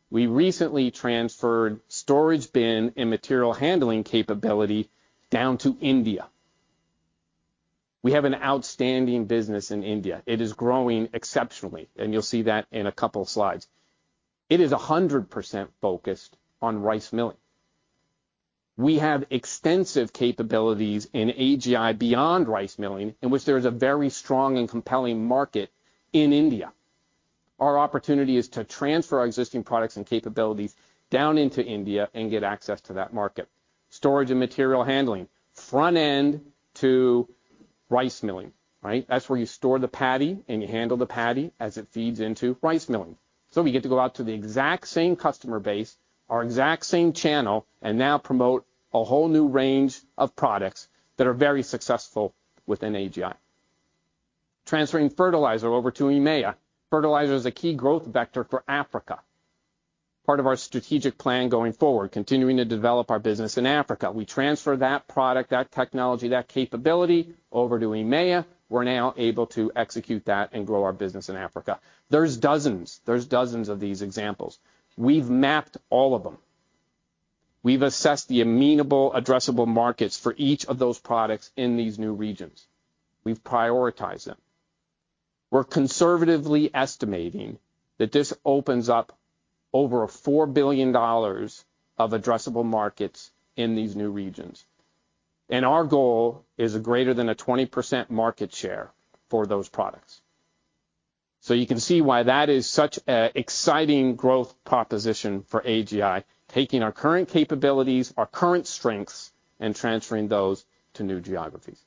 We recently transferred storage bin and material handling capability down to India. We have an outstanding business in India. It is growing exceptionally. You'll see that in a couple of slides. It is 100% focused on rice milling. We have extensive capabilities in AGI beyond rice milling, in which there is a very strong and compelling market in India. Our opportunity is to transfer our existing products and capabilities down into India and get access to that market. Storage and material handling. Front end to rice milling, right? That's where you store the paddy and you handle the paddy as it feeds into rice milling. We get to go out to the exact same customer base, our exact same channel, and now promote a whole new range of products that are very successful within AGI. Transferring fertilizer over to EMEA. Fertilizer is a key growth vector for Africa. Part of our strategic plan going forward, continuing to develop our business in Africa. We transfer that product, that technology, that capability over to EMEA. We're now able to execute that and grow our business in Africa. There's dozens of these examples. We've mapped all of them. We've assessed the amenable addressable markets for each of those products in these new regions. We've prioritized them. We're conservatively estimating that this opens up over $4 billion of addressable markets in these new regions. Our goal is greater than a 20% market share for those products. You can see why that is such a exciting growth proposition for AGI, taking our current capabilities, our current strengths, and transferring those to new geographies.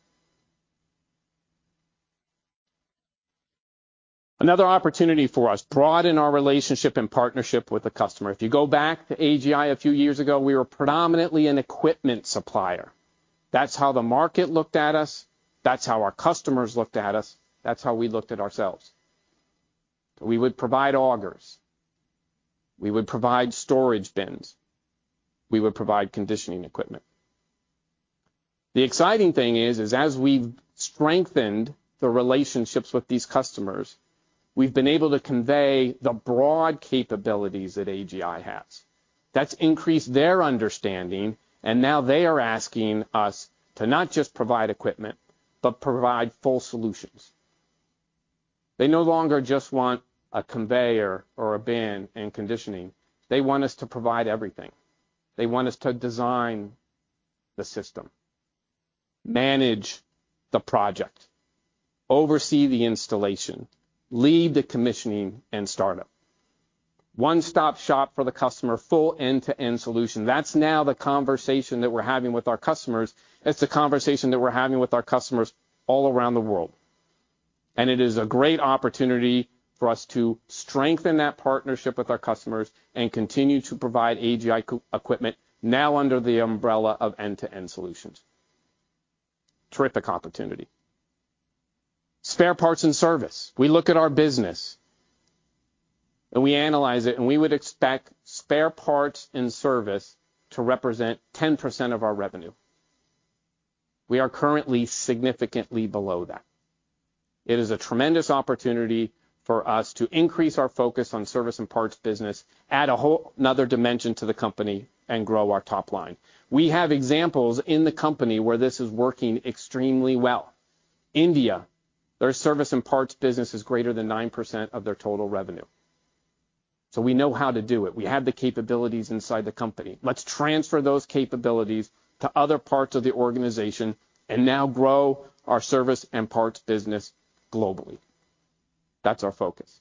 Another opportunity for us. Broaden our relationship and partnership with the customer. If you go back to AGI a few years ago, we were predominantly an equipment supplier. That's how the market looked at us. That's how our customers looked at us. That's how we looked at ourselves. We would provide augers. We would provide storage bins. We would provide conditioning equipment. The exciting thing is, as we've strengthened the relationships with these customers, we've been able to convey the broad capabilities that AGI has. That's increased their understanding. Now they are asking us to not just provide equipment, but provide full solutions. They no longer just want a conveyor or a bin and conditioning. They want us to provide everything. They want us to design the system, manage the project, oversee the installation, lead the commissioning and startup. One-stop shop for the customer, full end-to-end solution. That's now the conversation that we're having with our customers. It's the conversation that we're having with our customers all around the world. It is a great opportunity for us to strengthen that partnership with our customers and continue to provide AGI equipment now under the umbrella of end-to-end solutions. Terrific opportunity. Spare parts and service. We look at our business, we analyze it, we would expect spare parts and service to represent 10% of our revenue. We are currently significantly below that. It is a tremendous opportunity for us to increase our focus on service and parts business, add a whole another dimension to the company and grow our top line. We have examples in the company where this is working extremely well. India, their service and parts business is greater than 9% of their total revenue. We know how to do it. We have the capabilities inside the company. Let's transfer those capabilities to other parts of the organization and now grow our service and parts business globally. That's our focus.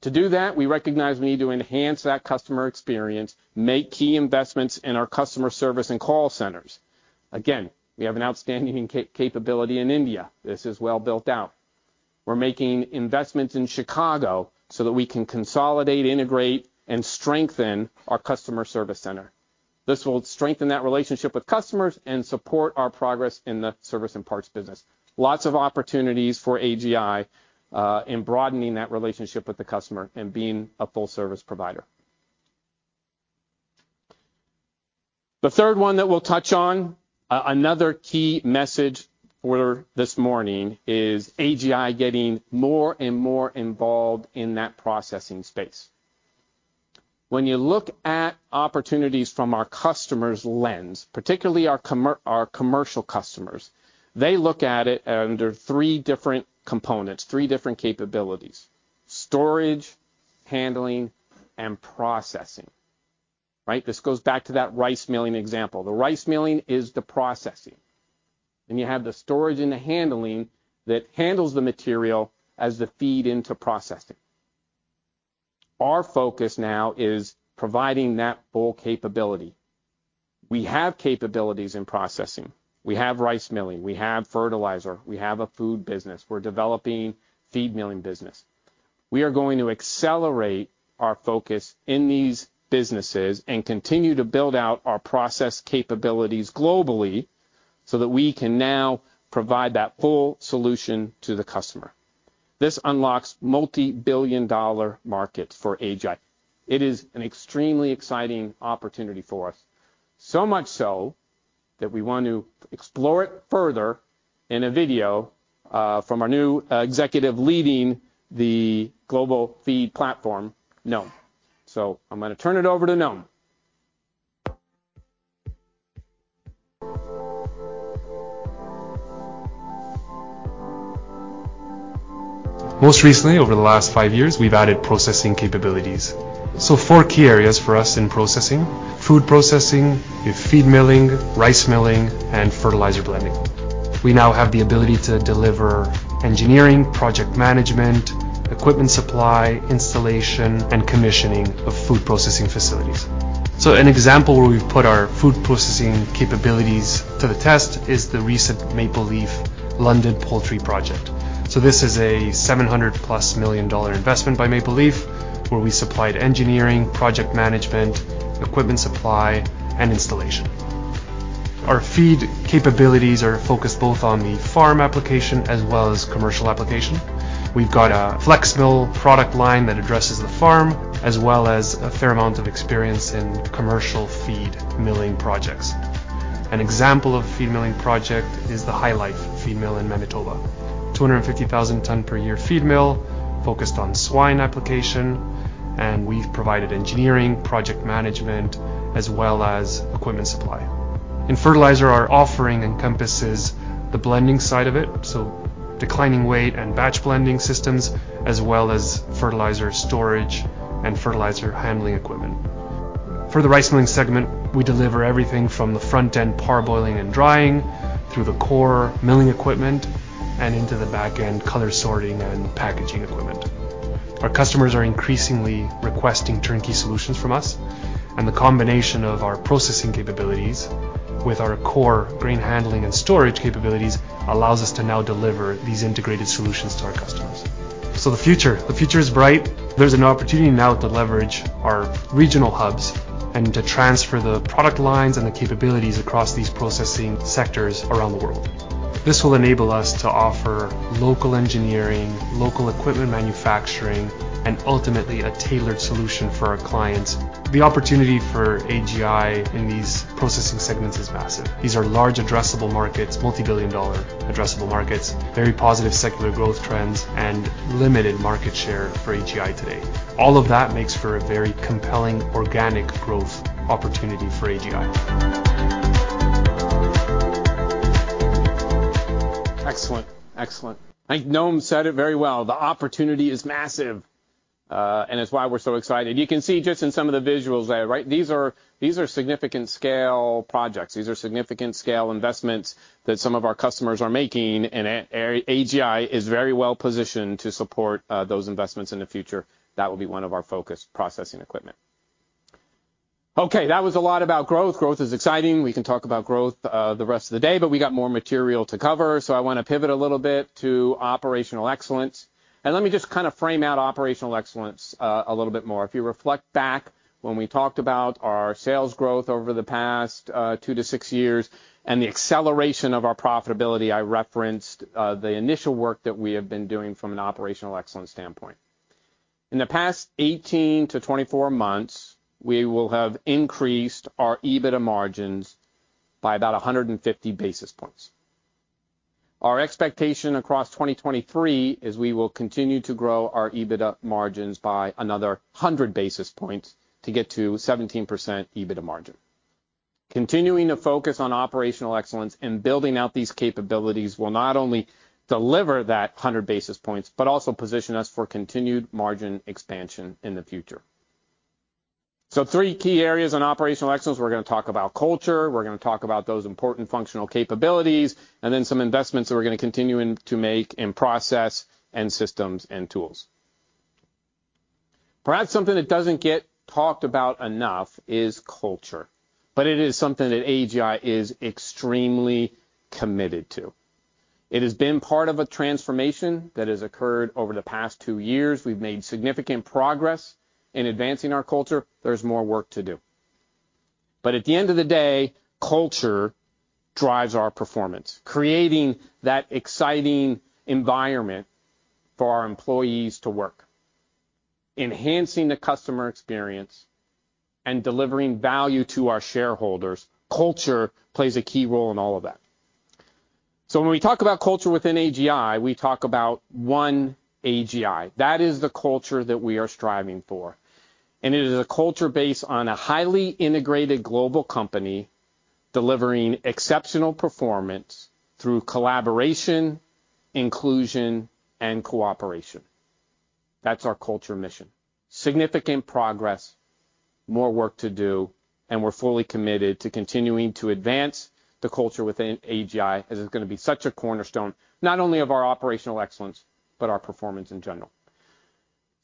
To do that, we recognize we need to enhance that customer experience, make key investments in our customer service and call centers. Again, we have an outstanding capability in India. This is well built out. We're making investments in Chicago so that we can consolidate, integrate, and strengthen our customer service center. This will strengthen that relationship with customers and support our progress in the service and parts business. Lots of opportunities for AGI in broadening that relationship with the customer and being a full service provider. The third one that we'll touch on, another key message for this morning is AGI getting more and more involved in that processing space. When you look at opportunities from our customer's lens, particularly our commercial customers, they look at it under three different components, three different capabilities: storage, handling, and processing, right? This goes back to that rice milling example. The rice milling is the processing. You have the storage and the handling that handles the material as the feed into processing. Our focus now is providing that full capability. We have capabilities in processing. We have rice milling. We have fertilizer. We have a food business. We're developing feed milling business. We are going to accelerate our focus in these businesses and continue to build out our process capabilities globally so that we can now provide that full solution to the customer. This unlocks multi-billion dollar markets for AGI. It is an extremely exciting opportunity for us. Much so that we want to explore it further in a video, from our new, executive leading the global feed platform, Noam. I'm gonna turn it over to Noam. Most recently, over the last five years, we've added processing capabilities. Four key areas for us in processing: food processing, feed milling, rice milling, and fertilizer blending. We now have the ability to deliver engineering, project management, equipment supply, installation, and commissioning of food processing facilities. An example where we've put our food processing capabilities to the test is the recent Maple Leaf London poultry project. This is a 700+ million dollar investment by Maple Leaf, where we supplied engineering, project management, equipment supply, and installation. Our feed capabilities are focused both on the farm application as well as commercial application. We've got a FLEXmill product line that addresses the farm, as well as a fair amount of experience in commercial feed milling projects. An example of a feed milling project is the HyLife feed mill in Manitoba. 250,000 ton per year feed mill focused on swine application, and we've provided engineering, project management, as well as equipment supply. In fertilizer, our offering encompasses the blending side of it, so declining weight and batch blending systems, as well as fertilizer storage and fertilizer handling equipment. For the rice milling segment, we deliver everything from the front-end parboiling and drying through the core milling equipment and into the back-end color sorting and packaging equipment. Our customers are increasingly requesting turnkey solutions from us, and the combination of our processing capabilities with our core grain handling and storage capabilities allows us to now deliver these integrated solutions to our customers. The future is bright. There's an opportunity now to leverage our regional hubs and to transfer the product lines and the capabilities across these processing sectors around the world. This will enable us to offer local engineering, local equipment manufacturing, and ultimately a tailored solution for our clients. The opportunity for AGI in these processing segments is massive. These are large addressable markets, multi-billion dollar addressable markets, very positive secular growth trends, and limited market share for AGI today. All of that makes for a very compelling organic growth opportunity for AGI. Excellent. Excellent. I think Noam said it very well. The opportunity is massive, and it's why we're so excited. You can see just in some of the visuals there, right? These are significant scale projects. These are significant scale investments that some of our customers are making. AGI is very well positioned to support those investments in the future. That will be one of our focus: processing equipment. That was a lot about growth. Growth is exciting. We can talk about growth the rest of the day, but we got more material to cover. I wanna pivot a little bit to operational excellence, and let me just kind of frame out operational excellence a little bit more. If you reflect back when we talked about our sales growth over the past, two to six years and the acceleration of our profitability, I referenced, the initial work that we have been doing from an operational excellence standpoint. In the past 18 months-24 months, we will have increased our EBITDA margins by about 150 basis points. Our expectation across 2023 is we will continue to grow our EBITDA margins by another 100 basis points to get to 17% EBITDA margin. Continuing to focus on operational excellence and building out these capabilities will not only deliver that 100 basis points, but also position us for continued margin expansion in the future. Three key areas on operational excellence. We're gonna talk about culture, we're gonna talk about those important functional capabilities, and then some investments that we're gonna continue to make in process and systems and tools. Perhaps something that doesn't get talked about enough is culture, but it is something that AGI is extremely committed to. It has been part of a transformation that has occurred over the past two years. We've made significant progress in advancing our culture. There's more work to do. At the end of the day, culture drives our performance, creating that exciting environment for our employees to work, enhancing the customer experience, and delivering value to our shareholders. Culture plays a key role in all of that. When we talk about culture within AGI, we talk about One AGI. That is the culture that we are striving for. It is a culture based on a highly integrated global company delivering exceptional performance through collaboration, inclusion, and cooperation. That's our culture mission. Significant progress, more work to do. We're fully committed to continuing to advance the culture within AGI, as it's gonna be such a cornerstone, not only of our operational excellence, but our performance in general.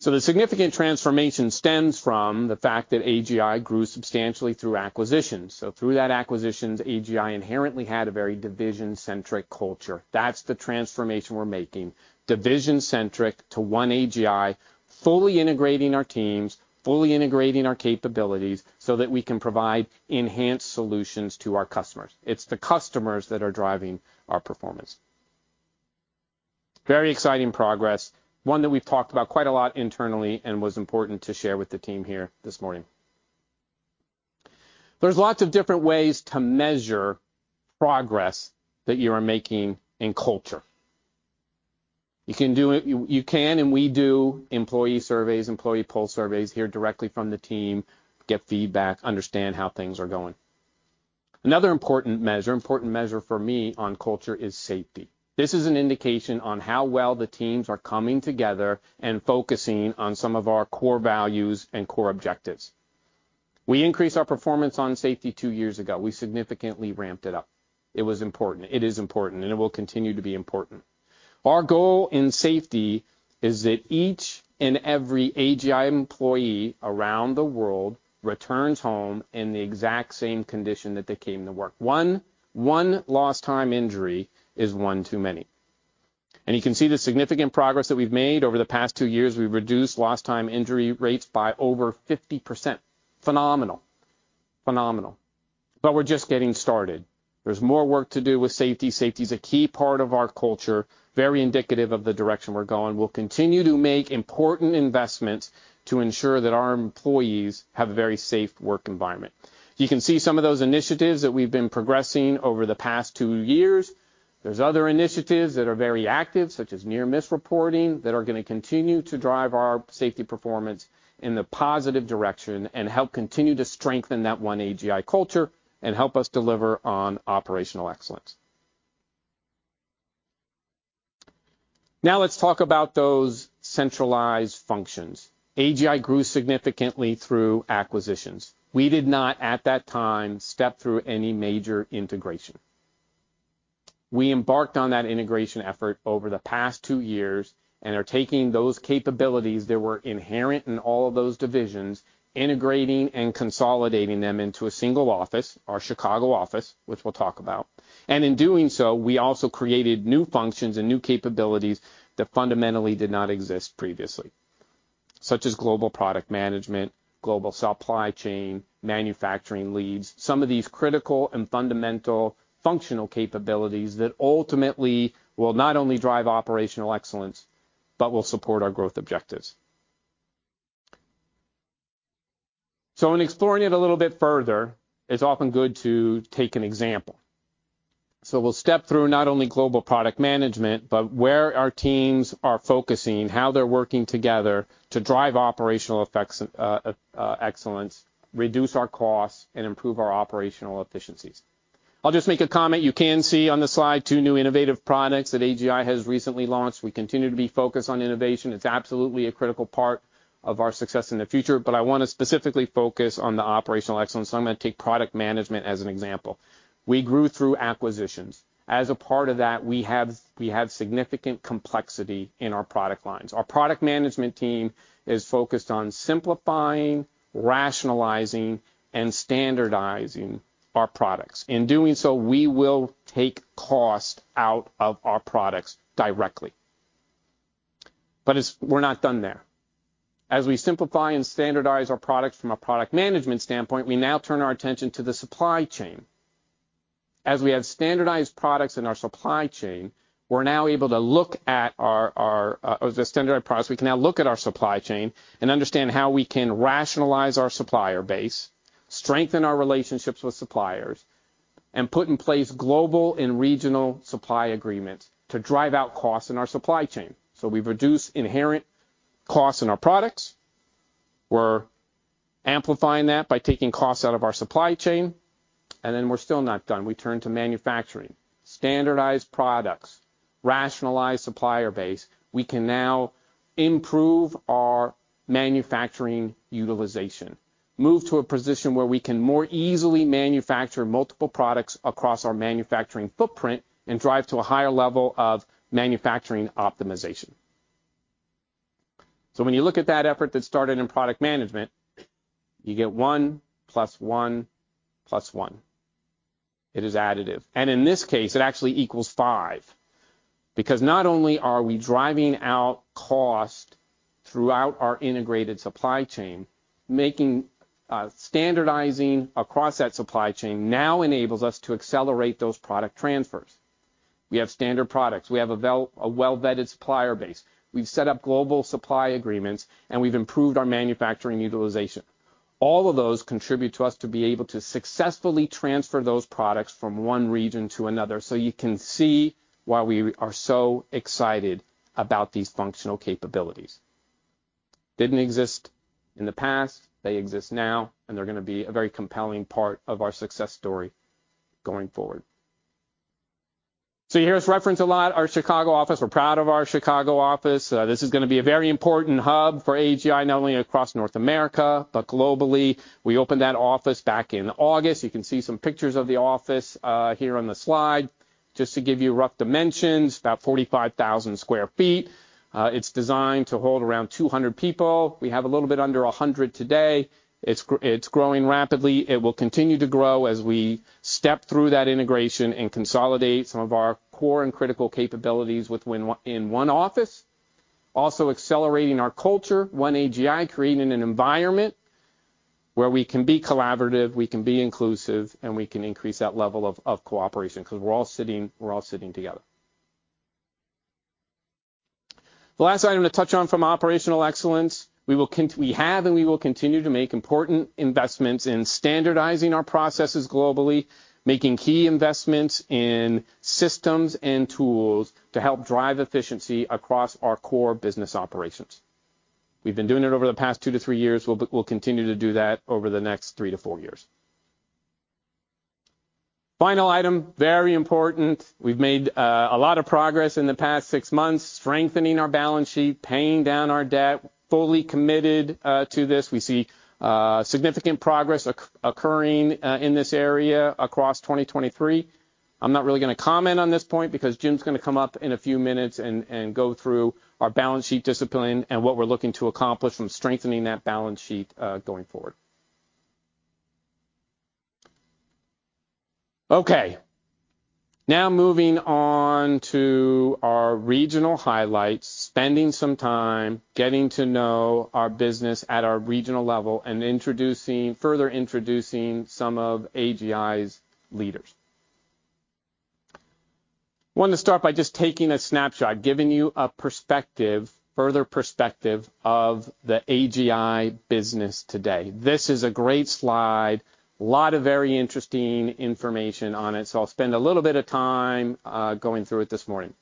The significant transformation stems from the fact that AGI grew substantially through acquisitions. Through that acquisitions, AGI inherently had a very division-centric culture. That's the transformation we're making. Division-centric to One AGI, fully integrating our teams, fully integrating our capabilities so that we can provide enhanced solutions to our customers. It's the customers that are driving our performance. Very exciting progress, one that we've talked about quite a lot internally and was important to share with the team here this morning. There's lots of different ways to measure progress that you are making in culture. You can, and we do employee surveys, employee pulse surveys, hear directly from the team, get feedback, understand how things are going. Another important measure for me on culture is safety. This is an indication on how well the teams are coming together and focusing on some of our core values and core objectives. We increased our performance on safety two years ago. We significantly ramped it up. It was important. It is important, and it will continue to be important. Our goal in safety is that each and every AGI employee around the world returns home in the exact same condition that they came to work. One lost time injury is one too many. You can see the significant progress that we've made over the past two years. We've reduced lost time injury rates by over 50%. Phenomenal. We're just getting started. There's more work to do with safety. Safety is a key part of our culture, very indicative of the direction we're going. We'll continue to make important investments to ensure that our employees have a very safe work environment. You can see some of those initiatives that we've been progressing over the past two years. There's other initiatives that are very active, such as near-miss reporting, that are gonna continue to drive our safety performance in the positive direction and help continue to strengthen that One AGI culture and help us deliver on operational excellence. Let's talk about those centralized functions. AGI grew significantly through acquisitions. We did not, at that time, step through any major integration. We embarked on that integration effort over the past two years and are taking those capabilities that were inherent in all of those divisions, integrating and consolidating them into a single office, our Chicago office, which we'll talk about. In doing so, we also created new functions and new capabilities that fundamentally did not exist previously, such as Global Product Management, Global Supply Chain, manufacturing leads. Some of these critical and fundamental functional capabilities that ultimately will not only drive operational excellence but will support our growth objectives. In exploring it a little bit further, it's often good to take an example. We'll step through not only Global Product Management, but where our teams are focusing, how they're working together to drive operational effects, excellence, reduce our costs, and improve our operational efficiencies. I'll just make a comment. You can see on the slide two new innovative products that AGI has recently launched. We continue to be focused on innovation. It's absolutely a critical part of our success in the future, but I want to specifically focus on the operational excellence, so I'm going to take product management as an example. We grew through acquisitions. As a part of that, we have significant complexity in our product lines. Our product management team is focused on simplifying, rationalizing, and standardizing our products. In doing so, we will take cost out of our products directly. We're not done there. As we simplify and standardize our products from a product management standpoint, we now turn our attention to the supply chain. As we have standardized products in our supply chain, we're now able to look at our the standardized products. We can now look at our supply chain and understand how we can rationalize our supplier base, strengthen our relationships with suppliers, and put in place global and regional supply agreements to drive out costs in our supply chain. We reduce inherent costs in our products. We're amplifying that by taking costs out of our supply chain, and then we're still not done. We turn to manufacturing. Standardized products, rationalized supplier base. We can now improve our manufacturing utilization, move to a position where we can more easily manufacture multiple products across our manufacturing footprint and drive to a higher level of manufacturing optimization. When you look at that effort that started in product management, you get 1 + 1 + 1. It is additive. In this case, it actually equals five because not only are we driving out cost throughout our integrated supply chain, making, standardizing across that supply chain now enables us to accelerate those product transfers. We have standard products. We have a well-vetted supplier base. We've set up global supply agreements, and we've improved our manufacturing utilization. All of those contribute to us to be able to successfully transfer those products from one region to another. You can see why we are so excited about these functional capabilities. Didn't exist in the past. They exist now, and they're gonna be a very compelling part of our success story going forward. You hear us reference a lot our Chicago office. We're proud of our Chicago office. This is gonna be a very important hub for AGI, not only across North America, but globally. We opened that office back in August. You can see some pictures of the office here on the slide. Just to give you rough dimensions, about 45,000 sq ft. It's designed to hold around 200 people. We have a little bit under 100 today. It's growing rapidly. It will continue to grow as we step through that integration and consolidate some of our core and critical capabilities in one office. Also accelerating our culture, One AGI, creating an environment where we can be collaborative, we can be inclusive, and we can increase that level of cooperation because we're all sitting together. The last item to touch on from operational excellence, we have and we will continue to make important investments in standardizing our processes globally, making key investments in systems and tools to help drive efficiency across our core business operations. We've been doing it over the past two to three years. We'll continue to do that over the next three to four years. Final item, very important. We've made a lot of progress in the past six months strengthening our balance sheet, paying down our debt, fully committed to this. We see significant progress occurring in this area across 2023. I'm not really gonna comment on this point because Jim's gonna come up in a few minutes and go through our balance sheet discipline and what we're looking to accomplish from strengthening that balance sheet going forward. Okay. Moving on to our regional highlights. Spending some time getting to know our business at our regional level and further introducing some of AGI's leaders. Wanted to start by just taking a snapshot, giving you a perspective, further perspective of the AGI business today. This is a great slide. Lot of very interesting information on it, so I'll spend a little bit of time going through it this morning.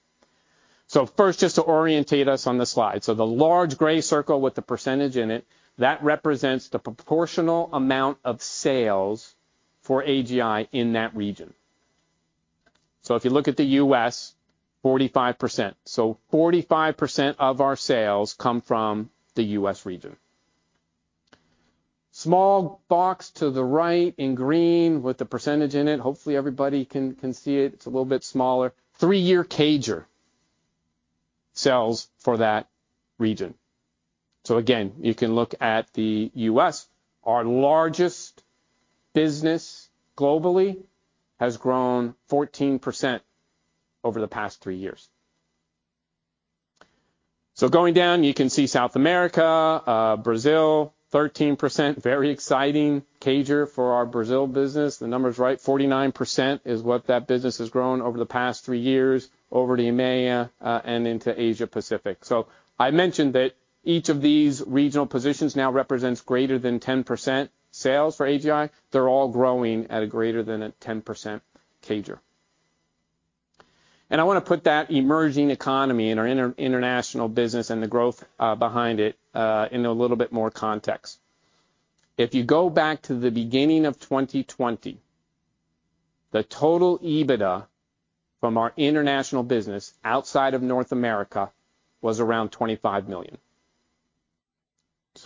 First, just to orientate us on the slide. The large gray circle with the percentage in it, that represents the proportional amount of sales for AGI in that region. If you look at the U.S., 45%. 45% of our sales come from the U.S. region. Small box to the right in green with the percent in it, hopefully everybody can see it's a little bit smaller, three-year CAGR sales for that region. Again, you can look at the U.S. Our largest business globally has grown 14% over the past three years. Going down, you can see South America, Brazil, 13%. Very exciting CAGR for our Brazil business. The number's right. 49% is what that business has grown over the past three years. Over to EMEA and into Asia Pacific. I mentioned that each of these regional positions now represents greater than 10% sales for AGI. They're all growing at a greater than a 10% CAGR. I wanna put that emerging economy in our international business and the growth behind it into a little bit more context. If you go back to the beginning of 2020, the total EBITDA from our international business outside of North America was around 25 million.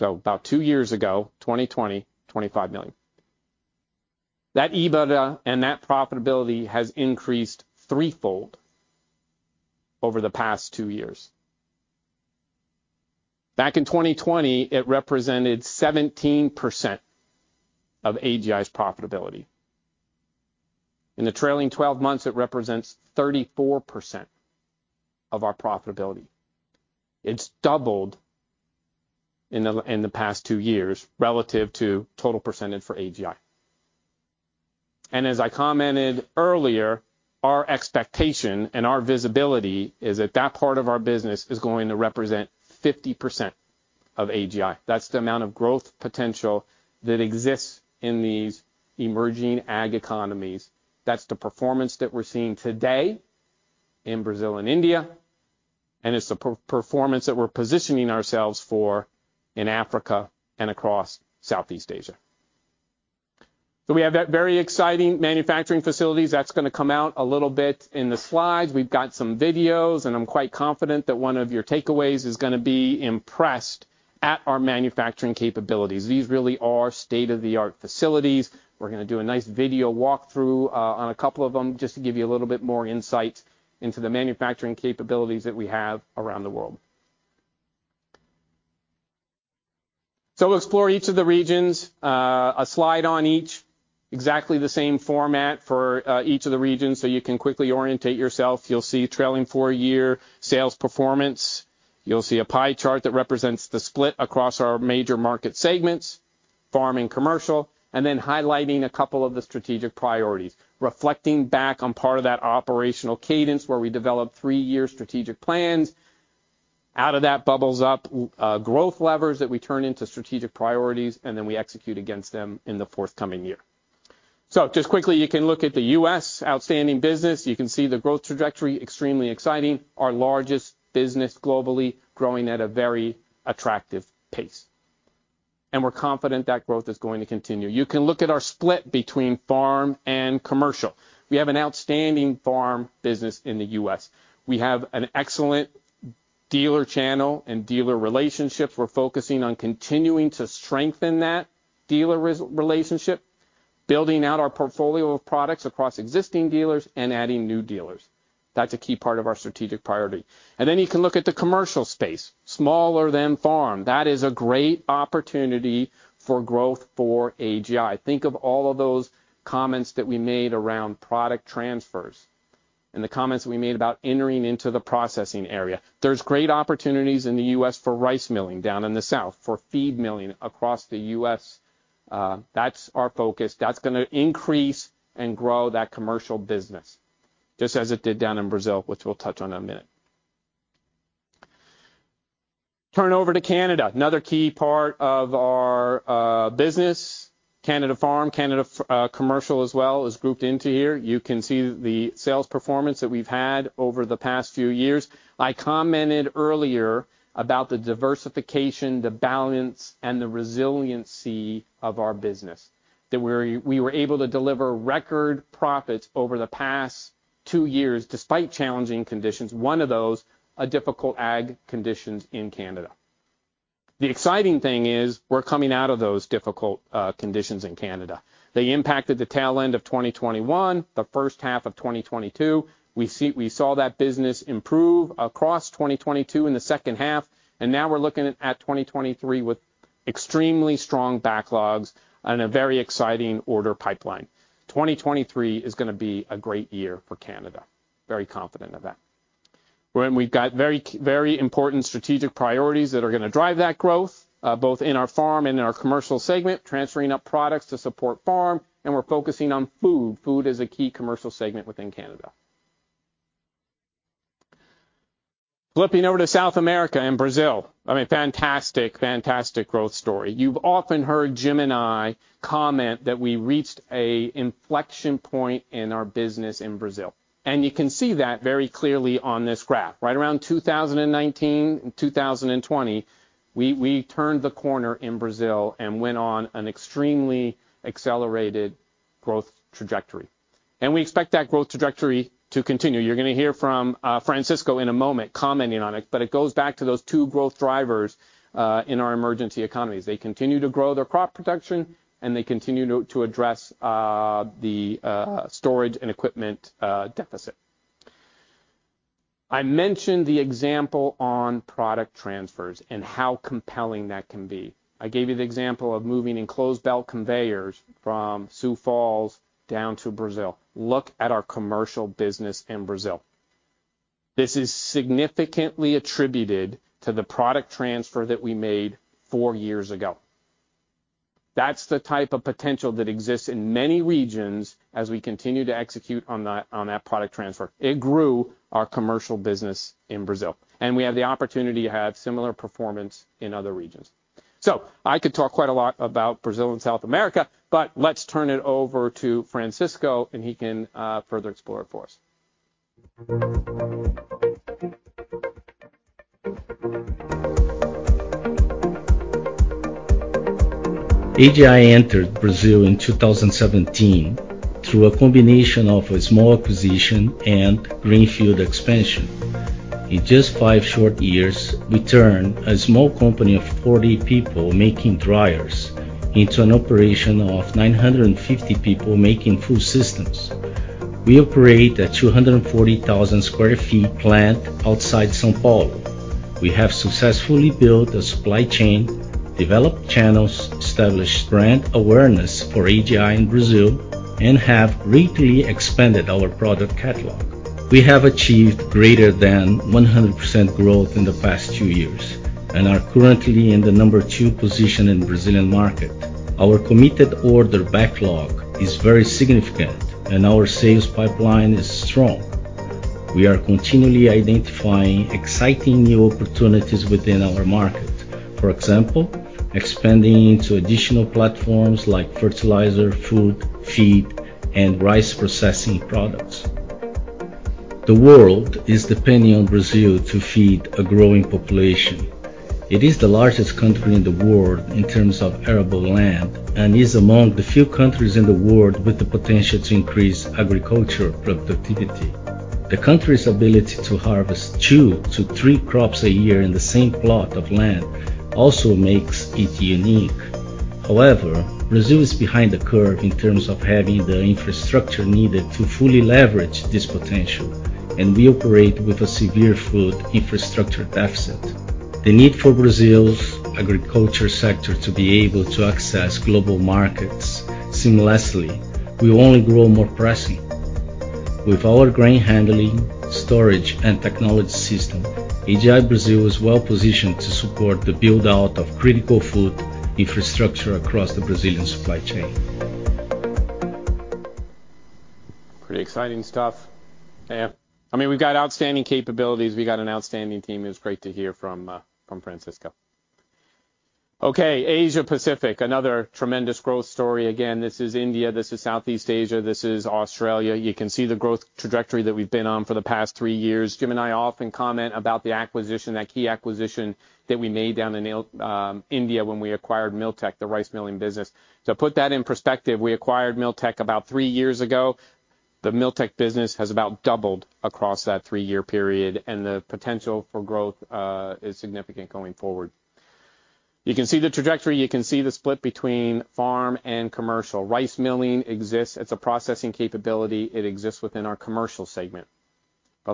About two years ago, 2020, 25 million. That EBITDA and that profitability has increased threefold over the past two years. Back in 2020, it represented 17% of AGI's profitability. In the trailing 12 months, it represents 34% of our profitability. It's doubled in the, in the past two years relative to total percentage for AGI. As I commented earlier, our expectation and our visibility is that that part of our business is going to represent 50% of AGI. That's the amount of growth potential that exists in these emerging ag economies. That's the performance that we're seeing today in Brazil and India, and it's the performance that we're positioning ourselves for in Africa and across Southeast Asia. We have that very exciting manufacturing facilities. That's gonna come out a little bit in the slides. We've got some videos, and I'm quite confident that one of your takeaways is gonna be impressed at our manufacturing capabilities. These really are state-of-the-art facilities. We're gonna do a nice video walkthrough on a couple of them just to give you a little bit more insight into the manufacturing capabilities that we have around the world. We'll explore each of the regions. A slide on each. Exactly the same format for each of the regions, so you can quickly orientate yourself. You'll see trailing four year sales performance. You'll see a pie chart that represents the split across our major market segments, farm and commercial, and then highlighting a couple of the strategic priorities. Reflecting back on part of that operational cadence where we develop three-year strategic plans, out of that bubbles up growth levers that we turn into strategic priorities, then we execute against them in the forthcoming year. Just quickly, you can look at the U.S. outstanding business. You can see the growth trajectory, extremely exciting. Our largest business globally growing at a very attractive pace. We're confident that growth is going to continue. You can look at our split between farm and commercial. We have an outstanding farm business in the U.S. We have an excellent dealer channel and dealer relationships. We're focusing on continuing to strengthen that dealer relationship, building out our portfolio of products across existing dealers and adding new dealers. That's a key part of our strategic priority. Then you can look at the commercial space, smaller than farm. That is a great opportunity for growth for AGI. Think of all of those comments that we made around product transfers and the comments we made about entering into the processing area. There's great opportunities in the U.S. for rice milling down in the south, for feed milling across the U.S. That's our focus. That's gonna increase and grow that commercial business, just as it did down in Brazil, which we'll touch on in a minute. Turn over to Canada, another key part of our business. Canada Farm, Canada commercial as well is grouped into here. You can see the sales performance that we've had over the past few years. I commented earlier about the diversification, the balance, and the resiliency of our business. That we were able to deliver record profits over the past two years despite challenging conditions. One of those are difficult ag conditions in Canada. The exciting thing is we're coming out of those difficult conditions in Canada. They impacted the tail end of 2021, the first half of 2022. We saw that business improve across 2022 in the second half, and now we're looking at 2023 with extremely strong backlogs and a very exciting order pipeline. 2023 is gonna be a great year for Canada. Very confident of that. When we've got very important strategic priorities that are gonna drive that growth, both in our farm and in our commercial segment, transferring up products to support farm, and we're focusing on food. Food is a key commercial segment within Canada. Flipping over to South America and Brazil. I mean, fantastic growth story. You've often heard Jim and I comment that we reached a inflection point in our business in Brazil. You can see that very clearly on this graph. Right around 2019 and 2020, we turned the corner in Brazil and went on an extremely accelerated growth trajectory. We expect that growth trajectory to continue. You're gonna hear from Francisco in a moment commenting on it, but it goes back to those two growth drivers in our emerging economies. They continue to grow their crop production, and they continue to address the storage and equipment deficit. I mentioned the example on product transfers and how compelling that can be. I gave you the example of moving Enclosed Belt Conveyors from Sioux Falls down to Brazil. Look at our commercial business in Brazil. This is significantly attributed to the product transfer that we made four years ago. That's the type of potential that exists in many regions as we continue to execute on that, on that product transfer. It grew our commercial business in Brazil, and we have the opportunity to have similar performance in other regions. I could talk quite a lot about Brazil and South America, but let's turn it over to Francisco, and he can further explore it for us. AGI entered Brazil in 2017 through a combination of a small acquisition and greenfield expansion. In just five short years, we turned a small company of 40 people making dryers into an operation of 950 people making full systems. We operate a 240,000 sq ft plant outside São Paulo. We have successfully built a supply chain, developed channels, established brand awareness for AGI in Brazil, and have greatly expanded our product catalog. We have achieved greater than 100% growth in the past two years and are currently in the number two position in Brazilian market. Our committed order backlog is very significant, and our sales pipeline is strong. We are continually identifying exciting new opportunities within our market. For example, expanding into additional platforms like fertilizer, food, feed, and rice processing products. The world is depending on Brazil to feed a growing population. It is the largest country in the world in terms of arable land and is among the few countries in the world with the potential to increase agriculture productivity. The country's ability to harvest two to three crops a year in the same plot of land also makes it unique. However, Brazil is behind the curve in terms of having the infrastructure needed to fully leverage this potential, and we operate with a severe food infrastructure deficit. The need for Brazil's agriculture sector to be able to access global markets seamlessly will only grow more pressing. With our grain handling, storage, and technology system, AGI Brazil is well-positioned to support the build-out of critical food infrastructure across the Brazilian supply chain. Pretty exciting stuff. Yeah. I mean, we've got outstanding capabilities. We got an outstanding team. It was great to hear from Francisco. Asia-Pacific, another tremendous growth story. This is India, this is Southeast Asia, this is Australia. You can see the growth trajectory that we've been on for the past three years. Jim and I often comment about the acquisition, that key acquisition that we made down in India when we acquired Milltec, the rice milling business. To put that in perspective, we acquired Milltec about three years ago. The Milltec business has about doubled across that three-year period, and the potential for growth is significant going forward. You can see the trajectory. You can see the split between farm and commercial. Rice milling exists. It's a processing capability. It exists within our commercial segment.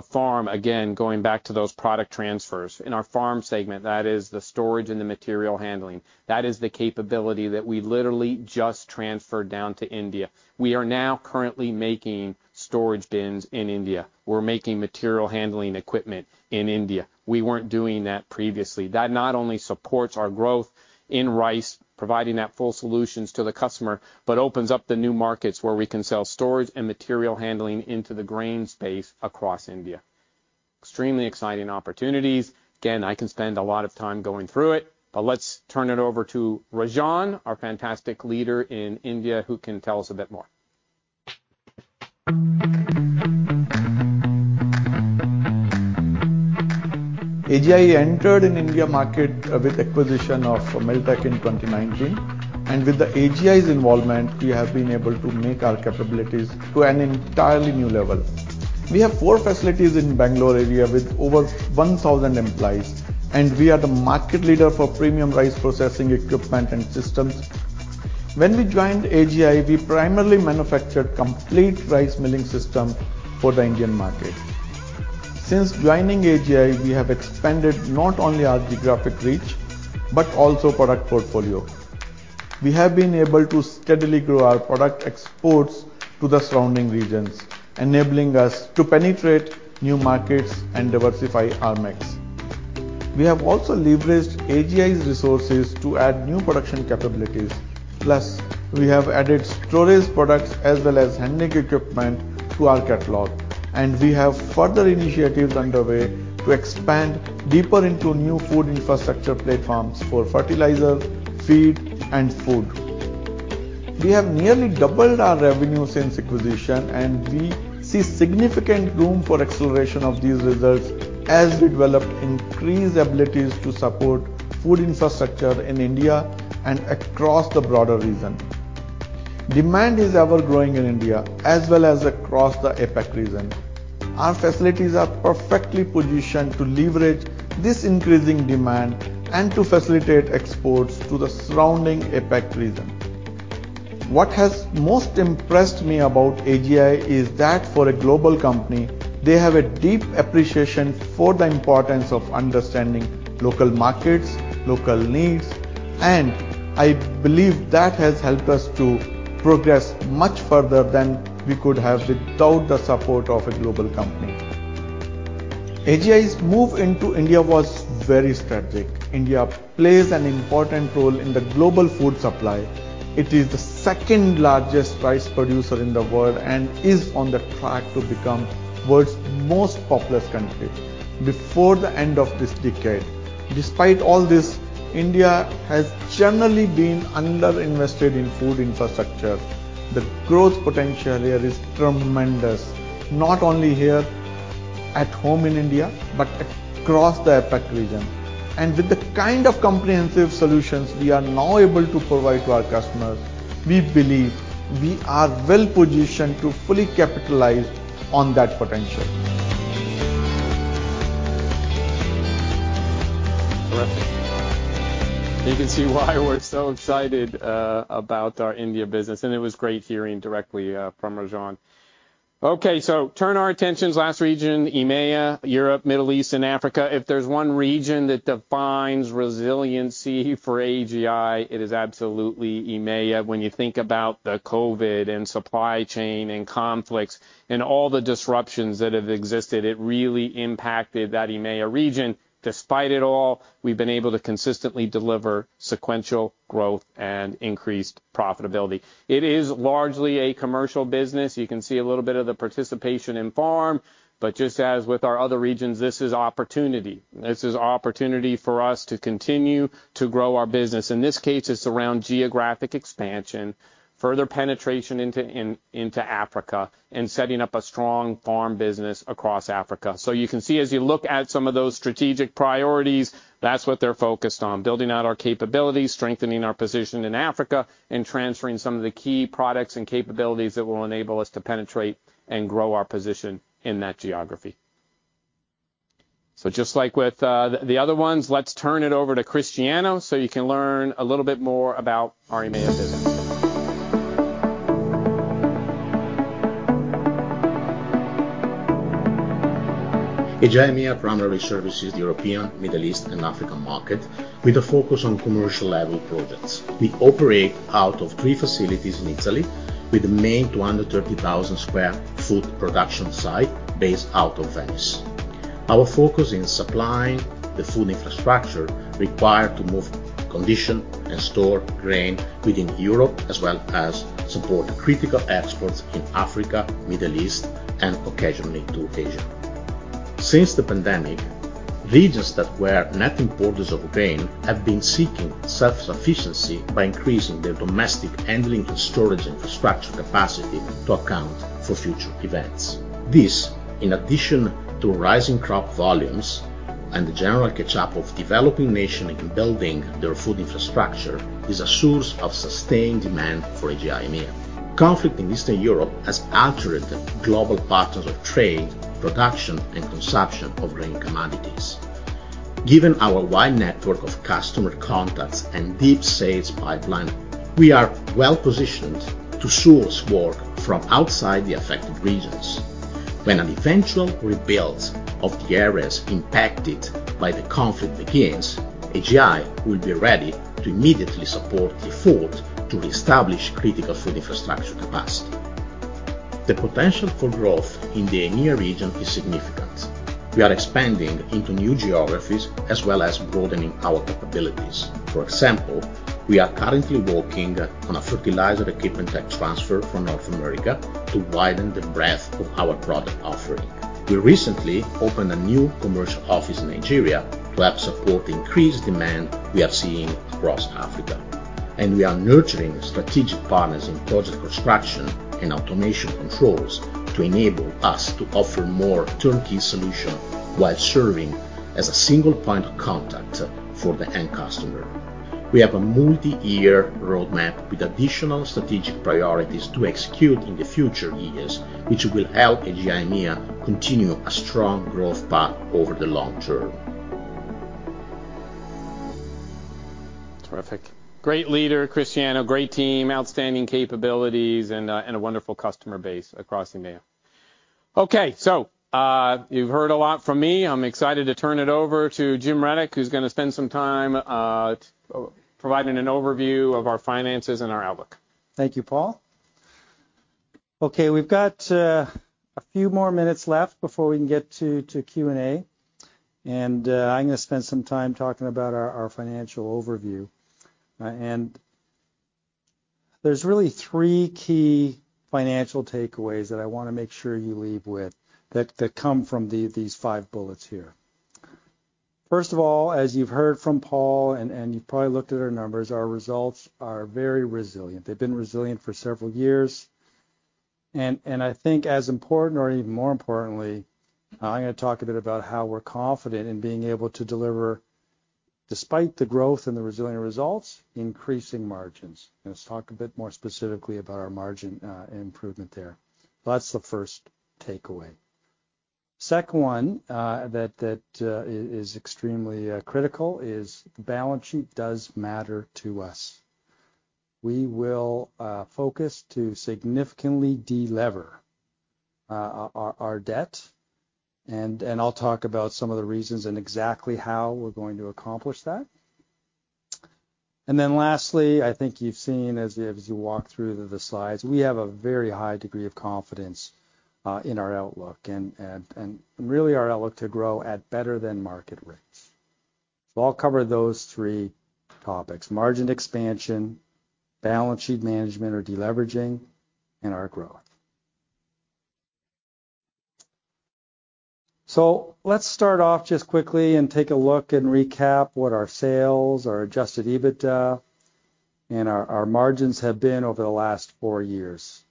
Farm, again, going back to those product transfers. In our farm segment, that is the storage and the material handling. That is the capability that we literally just transferred down to India. We are now currently making storage bins in India. We're making material handling equipment in India. We weren't doing that previously. That not only supports our growth in rice, providing that full solutions to the customer, but opens up the new markets where we can sell storage and material handling into the grain space across India. Extremely exciting opportunities. Again, I can spend a lot of time going through it, but let's turn it over to Rajan, our fantastic leader in India, who can tell us a bit more. AGI entered in India market with acquisition of Milltec in 2019. With the AGI's involvement, we have been able to make our capabilities to an entirely new level. We have four facilities in Bangalore area with over 1,000 employees. We are the market leader for premium rice processing equipment and systems. When we joined AGI, we primarily manufactured complete rice milling system for the Indian market. Since joining AGI, we have expanded not only our geographic reach but also product portfolio. We have been able to steadily grow our product exports to the surrounding regions, enabling us to penetrate new markets and diversify our mix. We have also leveraged AGI's resources to add new production capabilities. We have added storage products as well as handling equipment to our catalog, and we have further initiatives underway to expand deeper into new food infrastructure platforms for fertilizer, feed, and food. We have nearly doubled our revenue since acquisition, and we see significant room for acceleration of these results as we develop increased abilities to support food infrastructure in India and across the broader region. Demand is ever-growing in India as well as across the APAC region. Our facilities are perfectly positioned to leverage this increasing demand and to facilitate exports to the surrounding APAC region. What has most impressed me about AGI is that for a global company, they have a deep appreciation for the importance of understanding local markets, local needs, and I believe that has helped us to progress much further than we could have without the support of a global company. AGI's move into India was very strategic. India plays an important role in the global food supply. It is the second-largest rice producer in the world and is on the track to become world's most populous country before the end of this decade. Despite all this, India has generally been under-invested in food infrastructure. The growth potential here is tremendous, not only here at home in India, but across the APAC region. With the kind of comprehensive solutions we are now able to provide to our customers, we believe we are well positioned to fully capitalize on that potential. Terrific. You can see why we're so excited about our India business, and it was great hearing directly from Rajan. Okay, turn our attentions last region, EMEA, Europe, Middle East, and Africa. If there's one region that defines resiliency for AGI, it is absolutely EMEA. When you think about the COVID and supply chain and conflicts and all the disruptions that have existed, it really impacted that EMEA region. Despite it all, we've been able to consistently deliver sequential growth and increased profitability. It is largely a commercial business. You can see a little bit of the participation in farm, just as with our other regions, this is opportunity. This is opportunity for us to continue to grow our business. In this case, it's around geographic expansion, further penetration into Africa, and setting up a strong farm business across Africa. You can see as you look at some of those strategic priorities, that's what they're focused on, building out our capabilities, strengthening our position in Africa, and transferring some of the key products and capabilities that will enable us to penetrate and grow our position in that geography. Just like with, the other ones, let's turn it over to Cristiano so you can learn a little bit more about our EMEA business. AGI EMEA primarily services the European, Middle East, and African market with a focus on commercial-level projects. We operate out of three facilities in Italy with the main 230,000 sq ft production site based out of Venice. Our focus is supplying the food infrastructure required to move, condition, and store grain within Europe, as well as support critical exports in Africa, Middle East, and occasionally to Asia. Since the pandemic, regions that were net importers of grain have been seeking self-sufficiency by increasing their domestic handling and storage infrastructure capacity to account for future events. This, in addition to rising crop volumes and the general catch-up of developing nations in building their food infrastructure, is a source of sustained demand for AGI EMEA. Conflict in Eastern Europe has altered the global patterns of trade, production, and consumption of grain commodities. Given our wide network of customer contacts and deep sales pipeline, we are well positioned to source work from outside the affected regions. When an eventual rebuild of the areas impacted by the conflict begins, AGI will be ready to immediately support the effort to reestablish critical food infrastructure capacity. The potential for growth in the EMEA region is significant. We are expanding into new geographies as well as broadening our capabilities. For example, we are currently working on a fertilizer equipment tech transfer from North America to widen the breadth of our product offering. We recently opened a new commercial office in Nigeria to help support increased demand we are seeing across Africa. We are nurturing strategic partners in project construction and automation controls to enable us to offer more turnkey solution while serving as a single point of contact for the end customer. We have a multi-year roadmap with additional strategic priorities to execute in the future years, which will help AGI continue a strong growth path over the long term. Terrific. Great leader, Cristiano, great team, outstanding capabilities, and a wonderful customer base across EMEA. You've heard a lot from me. I'm excited to turn it over to Jim Rudyk, who's gonna spend some time, providing an overview of our finances and our outlook. Thank you, Paul. Okay. We've got a few more minutes left before we can get to Q&A. I'm gonna spend some time talking about our financial overview. There's really three key financial takeaways that I wanna make sure you leave with that come from these five bullets here. First of all, as you've heard from Paul and you've probably looked at our numbers, our results are very resilient. They've been resilient for several years. I think as important or even more importantly, I'm gonna talk a bit about how we're confident in being able to deliver despite the growth and the resilient results, increasing margins. Let's talk a bit more specifically about our margin improvement there. That's the first takeaway. Second one, that is extremely critical is balance sheet does matter to us. We will focus to significantly de-lever our debt. I'll talk about some of the reasons and exactly how we're going to accomplish that. Lastly, I think you've seen as you walk through the slides, we have a very high degree of confidence in our outlook and really our outlook to grow at better than market rates. I'll cover those three topics, margin expansion, balance sheet management or de-leveraging, and our growth. Let's start off just quickly and take a look and recap what our sales, our adjusted EBITDA, and our margins have been over the last four years.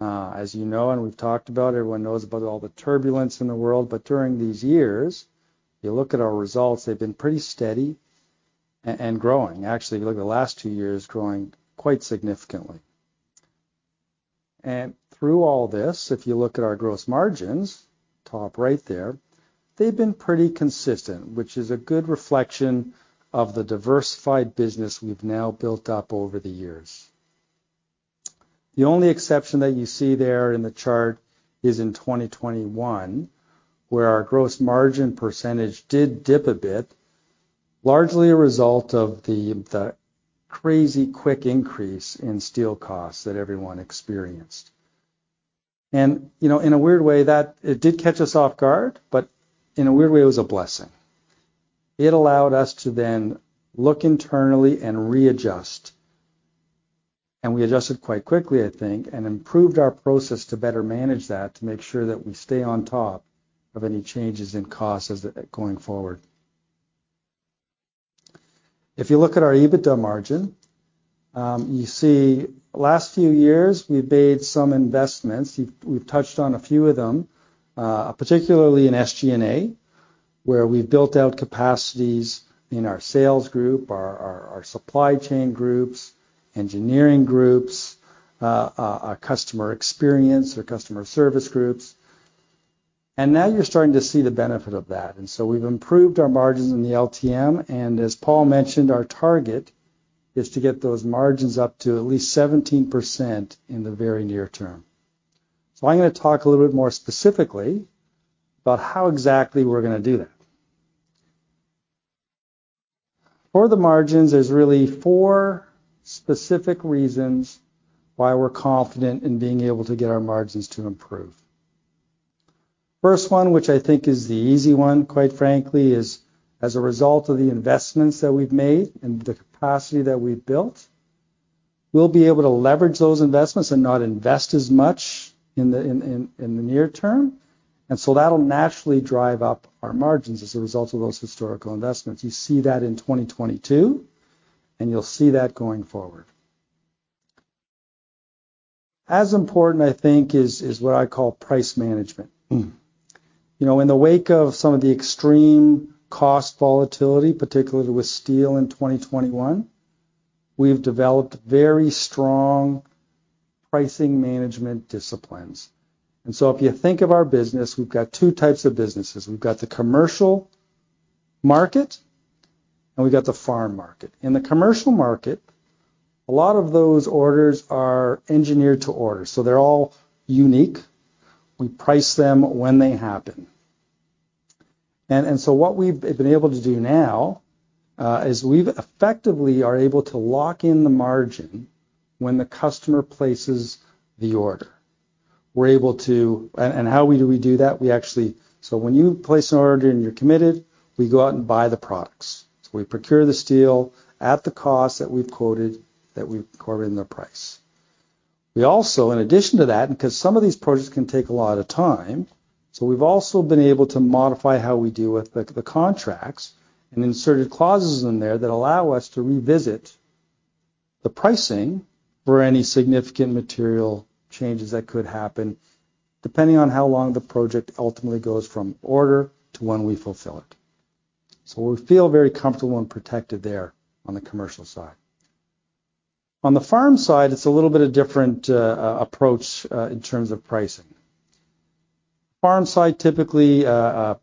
As you know, we've talked about, everyone knows about all the turbulence in the world, but during these years, you look at our results, they've been pretty steady and growing. Actually, if you look at the last two years, growing quite significantly. Through all this, if you look at our gross margins, top right there, they've been pretty consistent, which is a good reflection of the diversified business we've now built up over the years. The only exception that you see there in the chart is in 2021, wheref our gross margin percentage did dip a bit, largely a result of the crazy quick increase in steel costs that everyone experienced. You know, in a weird way that it did catch us off guard, but in a weird way, it was a blessing. It allowed us to then look internally and readjust. We adjusted quite quickly, I think, and improved our process to better manage that to make sure that we stay on top of any changes in costs going forward. If you look at our EBITDA margin, you see last few years, we've made some investments. We've touched on a few of them, particularly in SG&A, where we've built out capacities in our sales group, our supply chain groups, engineering groups, our customer experience or customer service groups. Now you're starting to see the benefit of that. We've improved our margins in the LTM, and as Paul mentioned, our target is to get those margins up to at least 17% in the very near term. I'm gonna talk a little bit more specifically about how exactly we're gonna do that. For the margins, there's really four specific reasons why we're confident in being able to get our margins to improve. First one, which I think is the easy one, quite frankly, is as a result of the investments that we've made and the capacity that we've built, we'll be able to leverage those investments and not invest as much in the near term. That'll naturally drive up our margins as a result of those historical investments. You see that in 2022, and you'll see that going forward. As important, I think, is what I call price management. You know, in the wake of some of the extreme cost volatility, particularly with steel in 2021, we've developed very strong pricing management disciplines. If you think of our business, we've got two types of businesses. We've got the commercial market, and we've got the farm market. In the commercial market, a lot of those orders are engineered to order, so they're all unique. We price them when they happen. What we've been able to do now, is we've effectively are able to lock in the margin when the customer places the order. We're able to. How we do that? When you place an order and you're committed, we go out and buy the products. We procure the steel at the cost that we've quoted, that we've quoted in the price. We also, in addition to that, because some of these projects can take a lot of time, so we've also been able to modify how we deal with the contracts and inserted clauses in there that allow us to revisit the pricing for any significant material changes that could happen, depending on how long the project ultimately goes from order to when we fulfill it. We feel very comfortable and protected there on the commercial side. On the Farm side, it's a little bit of different approach in terms of pricing. Farm side, typically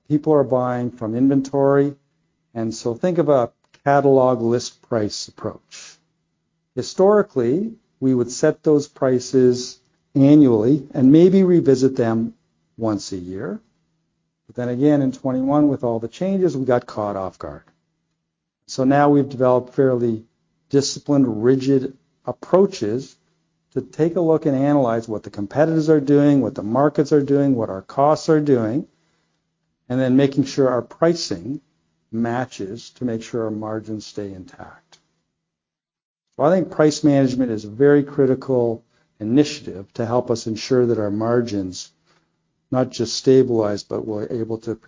people are buying from inventory, and so think of a catalog list price approach. Historically, we would set those prices annually and maybe revisit them once a year. Again, in 2021, with all the changes, we got caught off guard. Now we've developed fairly disciplined, rigid approaches to take a look and analyze what the competitors are doing, what the markets are doing, what our costs are doing, and then making sure our pricing matches to make sure our margins stay intact. I think price management is a very critical initiative to help us ensure that our margins not just stabilize, but we're able to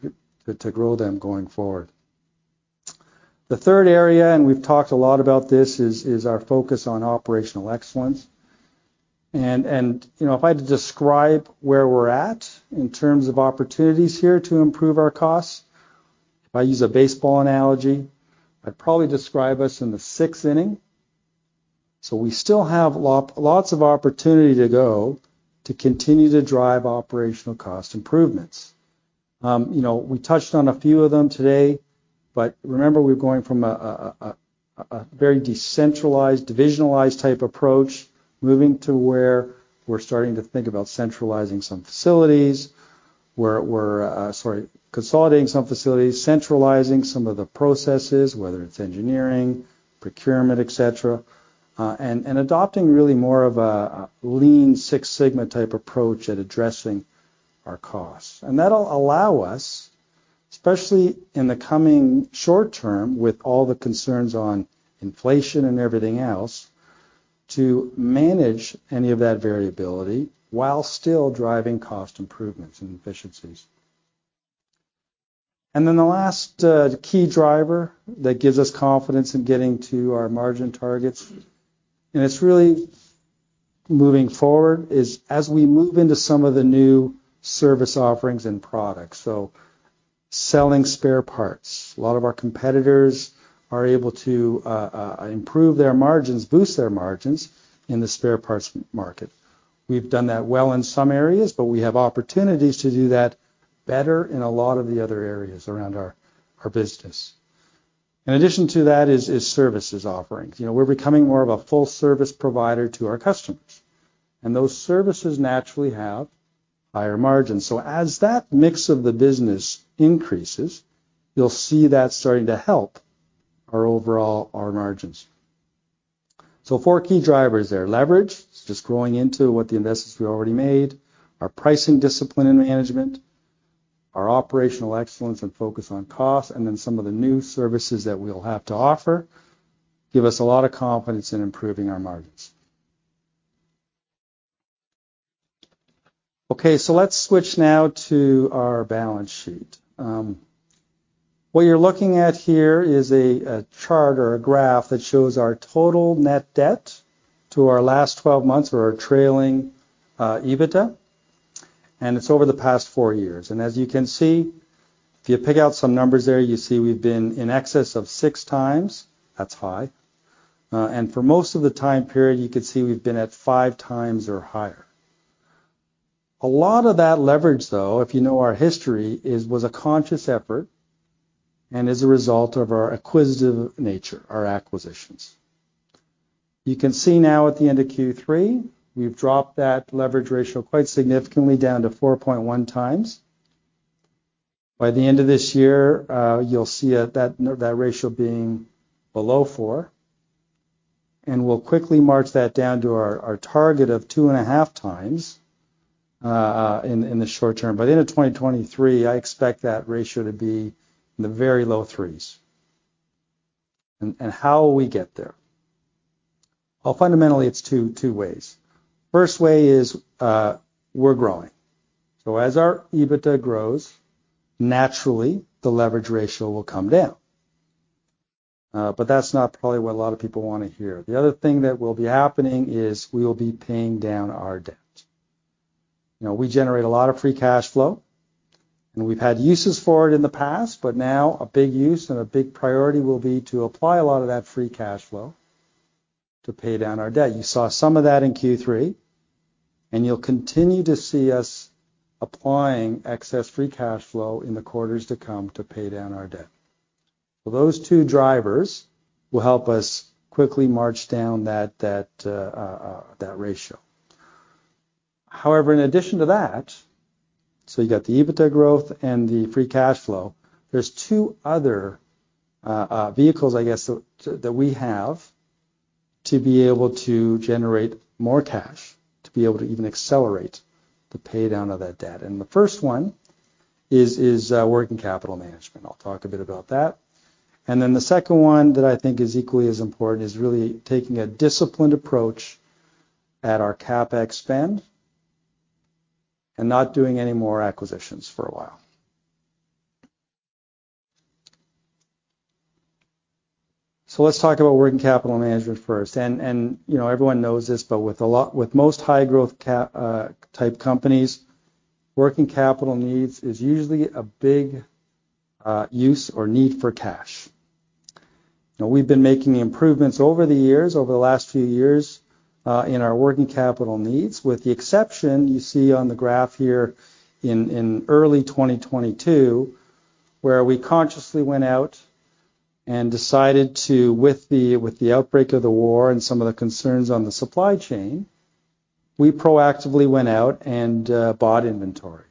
grow them going forward. The third area, and we've talked a lot about this, is our focus on operational excellence. You know, if I had to describe where we're at in terms of opportunities here to improve our costs, if I use a baseball analogy, I'd probably describe us in the sixth inning. We still have lots of opportunity to go to continue to drive operational cost improvements. You know, we touched on a few of them today, but remember, we're going from a very decentralized, divisionalized type approach, moving to where we're starting to think about centralizing some facilities, where we're sorry, consolidating some facilities, centralizing some of the processes, whether it's engineering, procurement, et cetera, and adopting really more of a Lean Six Sigma type approach at addressing our costs. That'll allow us, especially in the coming short term with all the concerns on inflation and everything else, to manage any of that variability while still driving cost improvements and efficiencies. The last key driver that gives us confidence in getting to our margin targets, and it's really moving forward, is as we move into some of the new service offerings and products. Selling spare parts. A lot of our competitors are able to improve their margins, boost their margins in the spare parts market. We've done that well in some areas, but we have opportunities to do that better in a lot of the other areas around our business. In addition to that is services offerings. You know, we're becoming more of a full service provider to our customers, and those services naturally have higher margins. As that mix of the business increases, you'll see that starting to help our overall margins. Four key drivers there. Leverage, it's just growing into what the investments we already made, our pricing discipline and management, our operational excellence and focus on cost, and then some of the new services that we'll have to offer give us a lot of confidence in improving our margins. Let's switch now to our balance sheet. What you're looking at here is a chart or a graph that shows our total net debt to our last 12 months or our trailing EBITDA, and it's over the past four years. As you can see, if you pick out some numbers there, you see we've been in excess of 6x. That's high. For most of the time period, you could see we've been at 5x or higher. A lot of that leverage, though, if you know our history, is, was a conscious effort and is a result of our acquisitive nature, our acquisitions. You can see now at the end of Q3, we've dropped that leverage ratio quite significantly down to 4.1x. By the end of this year, you'll see that ratio being below 4x, and we'll quickly march that down to our target of 2.5x in the short term. By the end of 2023, I expect that ratio to be in the very low 3x. How will we get there? Well, fundamentally, it's two ways. First way is, we're growing. As our EBITDA grows, naturally the leverage ratio will come down. That's not probably what a lot of people wanna hear. The other thing that will be happening is we will be paying down our debt. You know, we generate a lot of free cash flow, and we've had uses for it in the past, but now a big use and a big priority will be to apply a lot of that free cash flow to pay down our debt. You saw some of that in Q3, and you'll continue to see us applying excess free cash flow in the quarters to come to pay down our debt. Those two drivers will help us quickly march down that ratio. However, in addition to that, you got the EBITDA growth and the free cash flow, there's two other vehicles, I guess, that we have to be able to generate more cash, to be able to even accelerate the pay down of that debt. The first one is working capital management. I'll talk a bit about that. The second one that I think is equally as important is really taking a disciplined approach at our CapEx spend and not doing any more acquisitions for a while. Let's talk about working capital management first. You know, everyone knows this, but with most high-growth type companies, working capital needs is usually a big use or need for cash. We've been making improvements over the years, over the last few years, in our working capital needs. With the exception you see on the graph here in early 2022, where we consciously went out and decided to, with the outbreak of the war and some of the concerns on the supply chain, we proactively went out and bought inventory.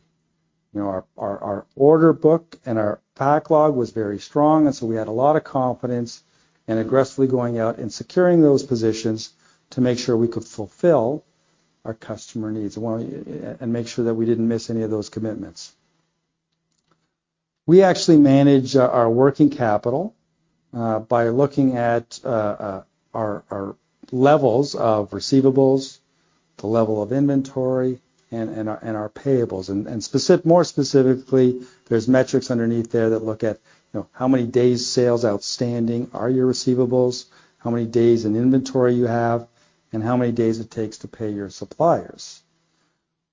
You know, our order book and our backlog was very strong, and so we had a lot of confidence in aggressively going out and securing those positions to make sure we could fulfill our customer needs and make sure that we didn't miss any of those commitments. We actually manage our working capital by looking at our levels of receivables, the level of inventory, and our payables. More specifically, there's metrics underneath there that look at, you know, how many Days Sales Outstanding are your receivables, how many days in inventory you have, and how many days it takes to pay your suppliers.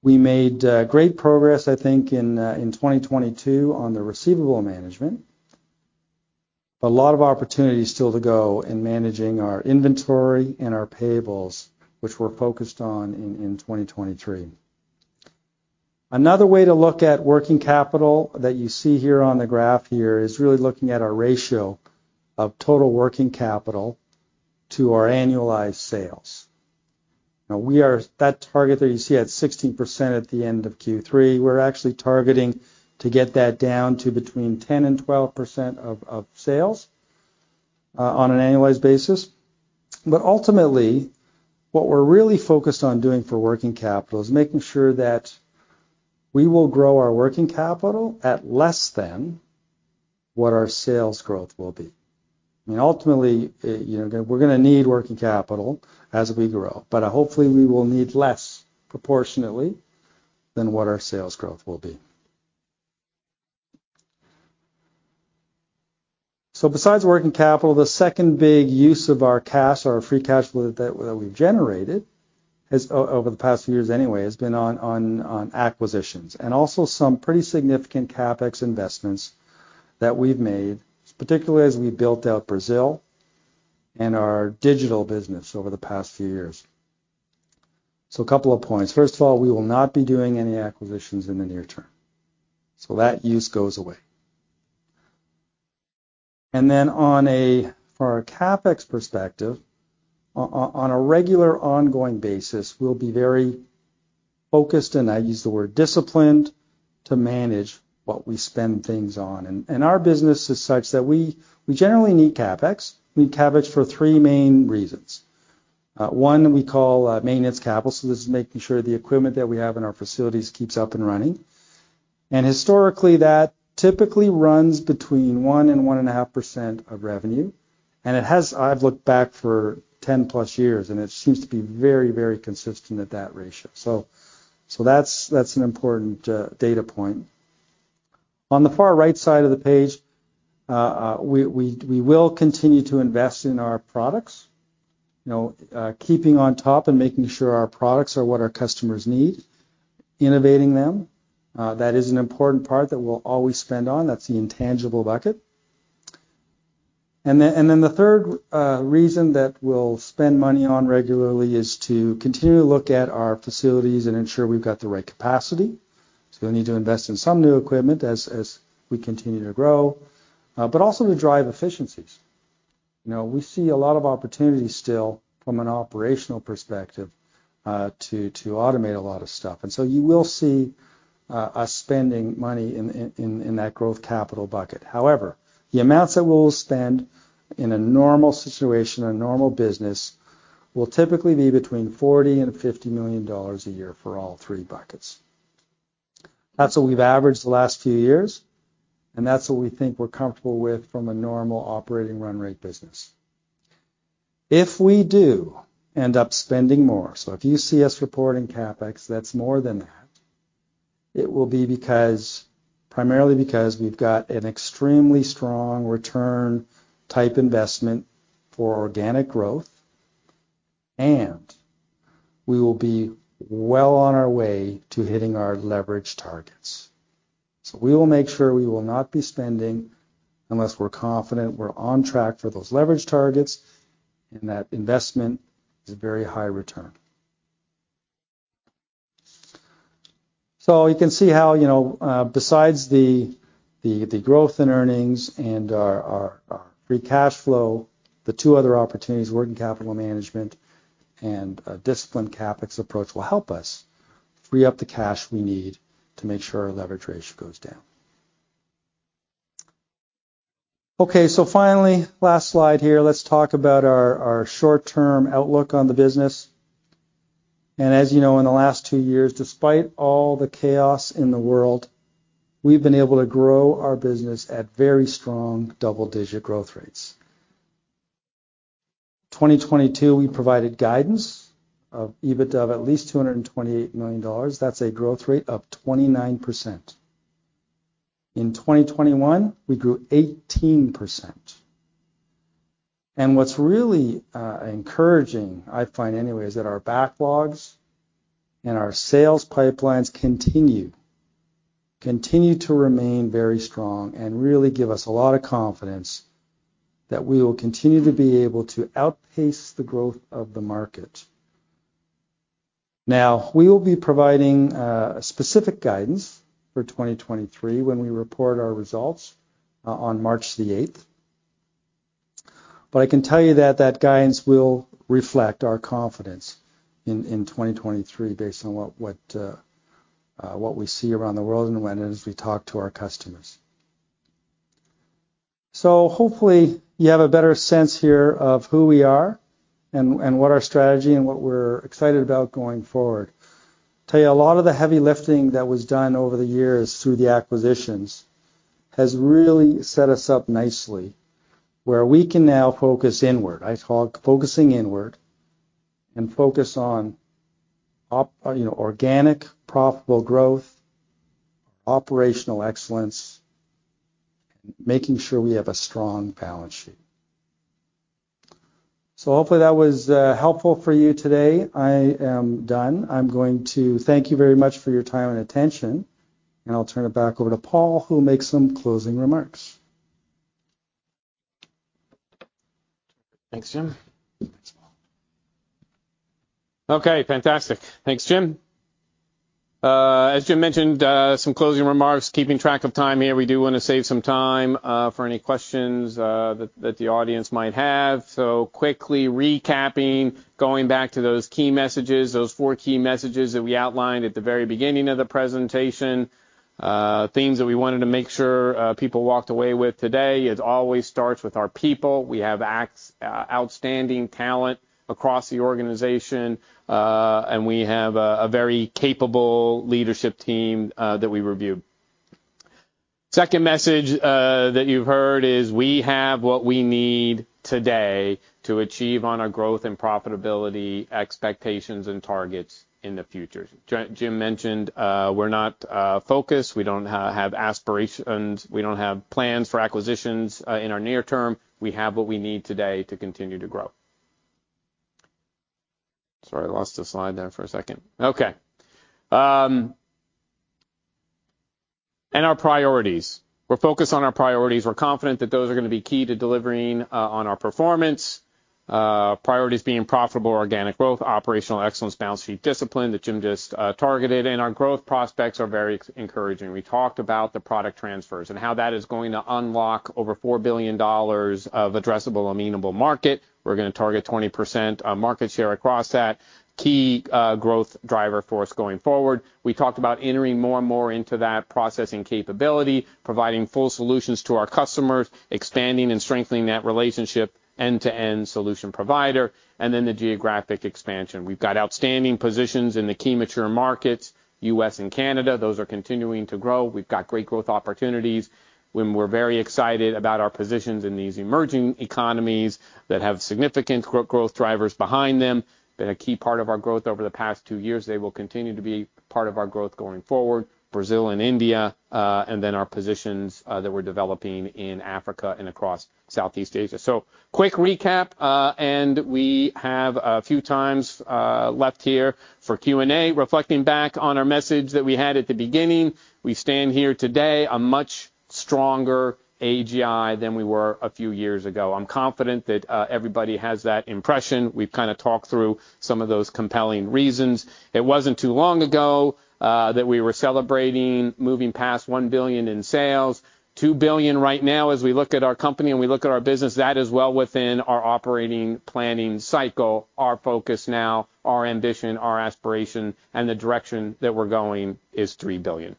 We made great progress, I think, in 2022 on the receivable management, but a lot of opportunities still to go in managing our inventory and our payables, which we're focused on in 2023. Another way to look at working capital that you see here on the graph here is really looking at our ratio of total working capital to our annualized sales. That target that you see at 16% at the end of Q3, we're actually targeting to get that down to between 10% and 12% of sales on an annualized basis. Ultimately, what we're really focused on doing for working capital is making sure that we will grow our working capital at less than what our sales growth will be. I mean, ultimately, you know, we're gonna need working capital as we grow, but hopefully we will need less proportionately than what our sales growth will be. Besides working capital, the second big use of our cash or our free cash flow that we've generated has, over the past few years anyway, has been on acquisitions. Also some pretty significant CapEx investments that we've made, particularly as we built out Brazil and our digital business over the past few years. A couple of points. First of all, we will not be doing any acquisitions in the near term, so that use goes away. From a CapEx perspective on a regular ongoing basis, we'll be very focused, and I use the word disciplined, to manage what we spend things on. Our business is such that we generally need CapEx. We need CapEx for three main reasons. One we call maintenance capital. This is making sure the equipment that we have in our facilities keeps up and running. Historically, that typically runs between 1% and 1.5% of revenue. I've looked back for 10+ years, and it seems to be very, very consistent at that ratio. That's an important data point. On the far right side of the page, we will continue to invest in our products. You know, keeping on top and making sure our products are what our customers need, innovating them, that is an important part that we'll always spend on. That's the intangible bucket. Then the third reason that we'll spend money on regularly is to continue to look at our facilities and ensure we've got the right capacity. We'll need to invest in some new equipment as we continue to grow, but also to drive efficiencies. You know, we see a lot of opportunities still from an operational perspective, to automate a lot of stuff. You will see us spending money in that growth capital bucket. However, the amounts that we'll spend in a normal situation or normal business will typically be between $40 million-$50 million a year for all three buckets. That's what we've averaged the last few years, and that's what we think we're comfortable with from a normal operating run rate business. If we do end up spending more, so if you see us reporting CapEx that's more than that, it will be because, primarily because we've got an extremely strong return type investment for organic growth, and we will be well on our way to hitting our leverage targets. We will make sure we will not be spending unless we're confident we're on track for those leverage targets and that investment is very high return. You can see how, you know, besides the growth in earnings and our free cash flow, the two other opportunities, working capital management and a disciplined CapEx approach, will help us free up the cash we need to make sure our leverage ratio goes down. Okay, finally, last slide here. Let's talk about our short-term outlook on the business. As you know, in the last two years, despite all the chaos in the world, we've been able to grow our business at very strong double-digit growth rates. 2022, we provided guidance of EBITDA of at least $228 million. That's a growth rate of 29%. In 2021, we grew 18%. What's really encouraging, I find anyway, is that our backlogs and our sales pipelines continue to remain very strong and really give us a lot of confidence that we will continue to be able to outpace the growth of the market. We will be providing specific guidance for 2023 when we report our results on March the 8th. I can tell you that that guidance will reflect our confidence in 2023 based on what we see around the world and when as we talk to our customers. Hopefully you have a better sense here of who we are and what our strategy and what we're excited about going forward. Tell you, a lot of the heavy lifting that was done over the years through the acquisitions has really set us up nicely, where we can now focus inward. I talk focusing inward and focus on you know, organic, profitable growth, operational excellence, and making sure we have a strong balance sheet. Hopefully that was helpful for you today. I am done. I'm going to thank you very much for your time and attention, and I'll turn it back over to Paul, who will make some closing remarks. Thanks, Jim. Thanks, Paul. Okay. Fantastic. Thanks, Jim. As Jim mentioned, some closing remarks. Keeping track of time here. We do wanna save some time for any questions that the audience might have. Quickly recapping, going back to those key messages, those four key messages that we outlined at the very beginning of the presentation, themes that we wanted to make sure people walked away with today. It always starts with our people. We have outstanding talent across the organization, and we have a very capable leadership team that we reviewed. Second message that you've heard is we have what we need today to achieve on our growth and profitability expectations and targets in the future. Jim mentioned, we're not focused. We don't have aspirations. We don't have plans for acquisitions in our near term. We have what we need today to continue to grow. Sorry, I lost the slide there for a second. Okay. Our priorities. We're focused on our priorities. We're confident that those are gonna be key to delivering on our performance. Priorities being profitable, organic growth, operational excellence, balance sheet discipline that Jim just targeted. Our growth prospects are very encouraging. We talked about the product transfers and how that is going to unlock over $4 billion of addressable amenable market. We're gonna target 20% market share across that key growth driver for us going forward. We talked about entering more and more into that processing capability, providing full solutions to our customers, expanding and strengthening that relationship, end-to-end solution provider. The geographic expansion. We've got outstanding positions in the key mature markets, U.S. and Canada. Those are continuing to grow. We've got great growth opportunities when we're very excited about our positions in these emerging economies that have significant growth drivers behind them. Been a key part of our growth over the past two years. They will continue to be part of our growth going forward, Brazil and India, and then our positions that we're developing in Africa and across Southeast Asia. Quick recap, and we have a few times left here for Q&A. Reflecting back on our message that we had at the beginning, we stand here today a much stronger AGI than we were a few years ago. I'm confident that everybody has that impression. We've kinda talked through some of those compelling reasons. It wasn't too long ago that we were celebrating moving past 1 billion in sales. 2 billion right now as we look at our company and we look at our business, that is well within our operating planning cycle. Our focus now, our ambition, our aspiration, and the direction that we're going is 3 billion.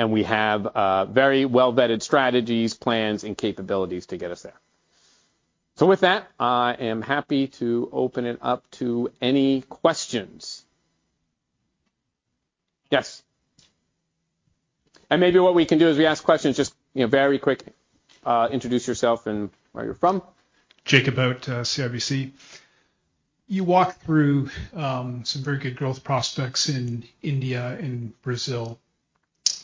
We have very well-vetted strategies, plans, and capabilities to get us there. With that, I am happy to open it up to any questions. Yes. Maybe what we can do as we ask questions, just, you know, very quick, introduce yourself and where you're from. Jacob Bout, CIBC. You walked through some very good growth prospects in India and Brazil.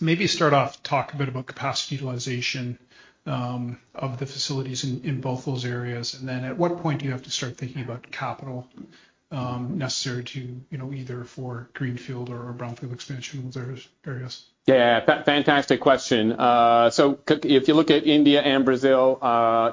Maybe start off, talk a bit about capacity utilization of the facilities in both those areas. At what point do you have to start thinking about capital necessary to, you know, either for greenfield or a brownfield expansion with those areas? Yeah. Fantastic question. So if you look at India and Brazil,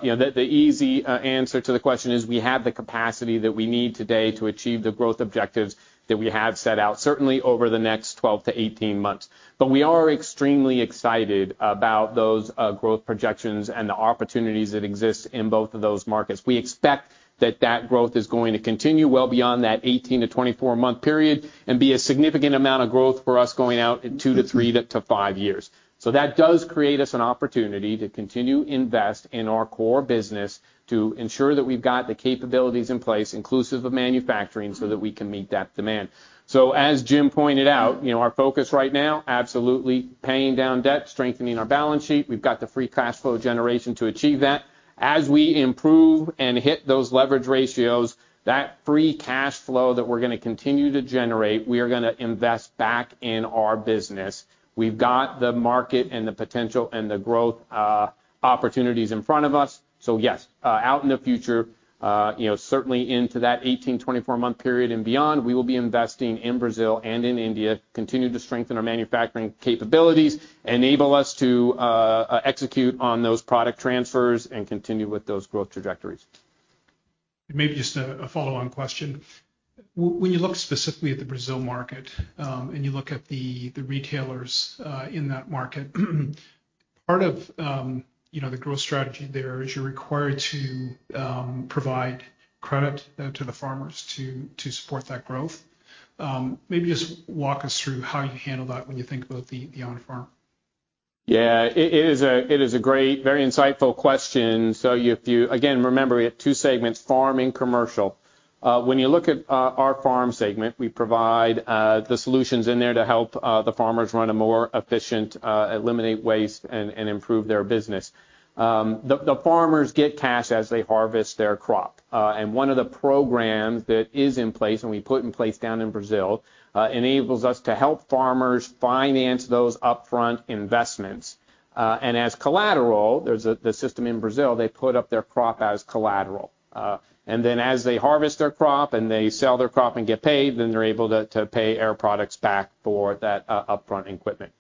you know, the easy answer to the question is we have the capacity that we need today to achieve the growth objectives that we have set out, certainly over the next 12 months-18 months. We are extremely excited about those growth projections and the opportunities that exist in both of those markets. We expect that growth is going to continue well beyond that 18 months-24 months period and be a significant amount of growth for us going out in two to three to five years. That does create us an opportunity to continue invest in our core business to ensure that we've got the capabilities in place, inclusive of manufacturing, so that we can meet that demand. As Jim pointed out, you know, our focus right now, absolutely paying down debt, strengthening our balance sheet. We've got the free cash flow generation to achieve that. As we improve and hit those leverage ratios, that free cash flow that we're gonna continue to generate, we are gonna invest back in our business. We've got the market and the potential and the growth opportunities in front of us. Yes, out in the future, you know, certainly into that 18 month-24 month period and beyond, we will be investing in Brazil and in India, continue to strengthen our manufacturing capabilities, enable us to execute on those product transfers and continue with those growth trajectories. Maybe just a follow-on question. When you look specifically at the Brazil market, and you look at the retailers in that market, part of, you know, the growth strategy there is you're required to provide credit to the farmers to support that growth. Maybe just walk us through how you handle that when you think about the on-farm? It is a great, very insightful question. If you again, remember we have two segments, farm and commercial. When you look at our farm segment, we provide the solutions in there to help the farmers run a more efficient, eliminate waste, and improve their business. The farmers get cash as they harvest their crop. One of the programs that is in place, and we put in place down in Brazil, enables us to help farmers finance those upfront investments. As collateral, there's the system in Brazil, they put up their crop as collateral. As they harvest their crop and they sell their crop and get paid, then they're able to pay Air Products back for that upfront equipment.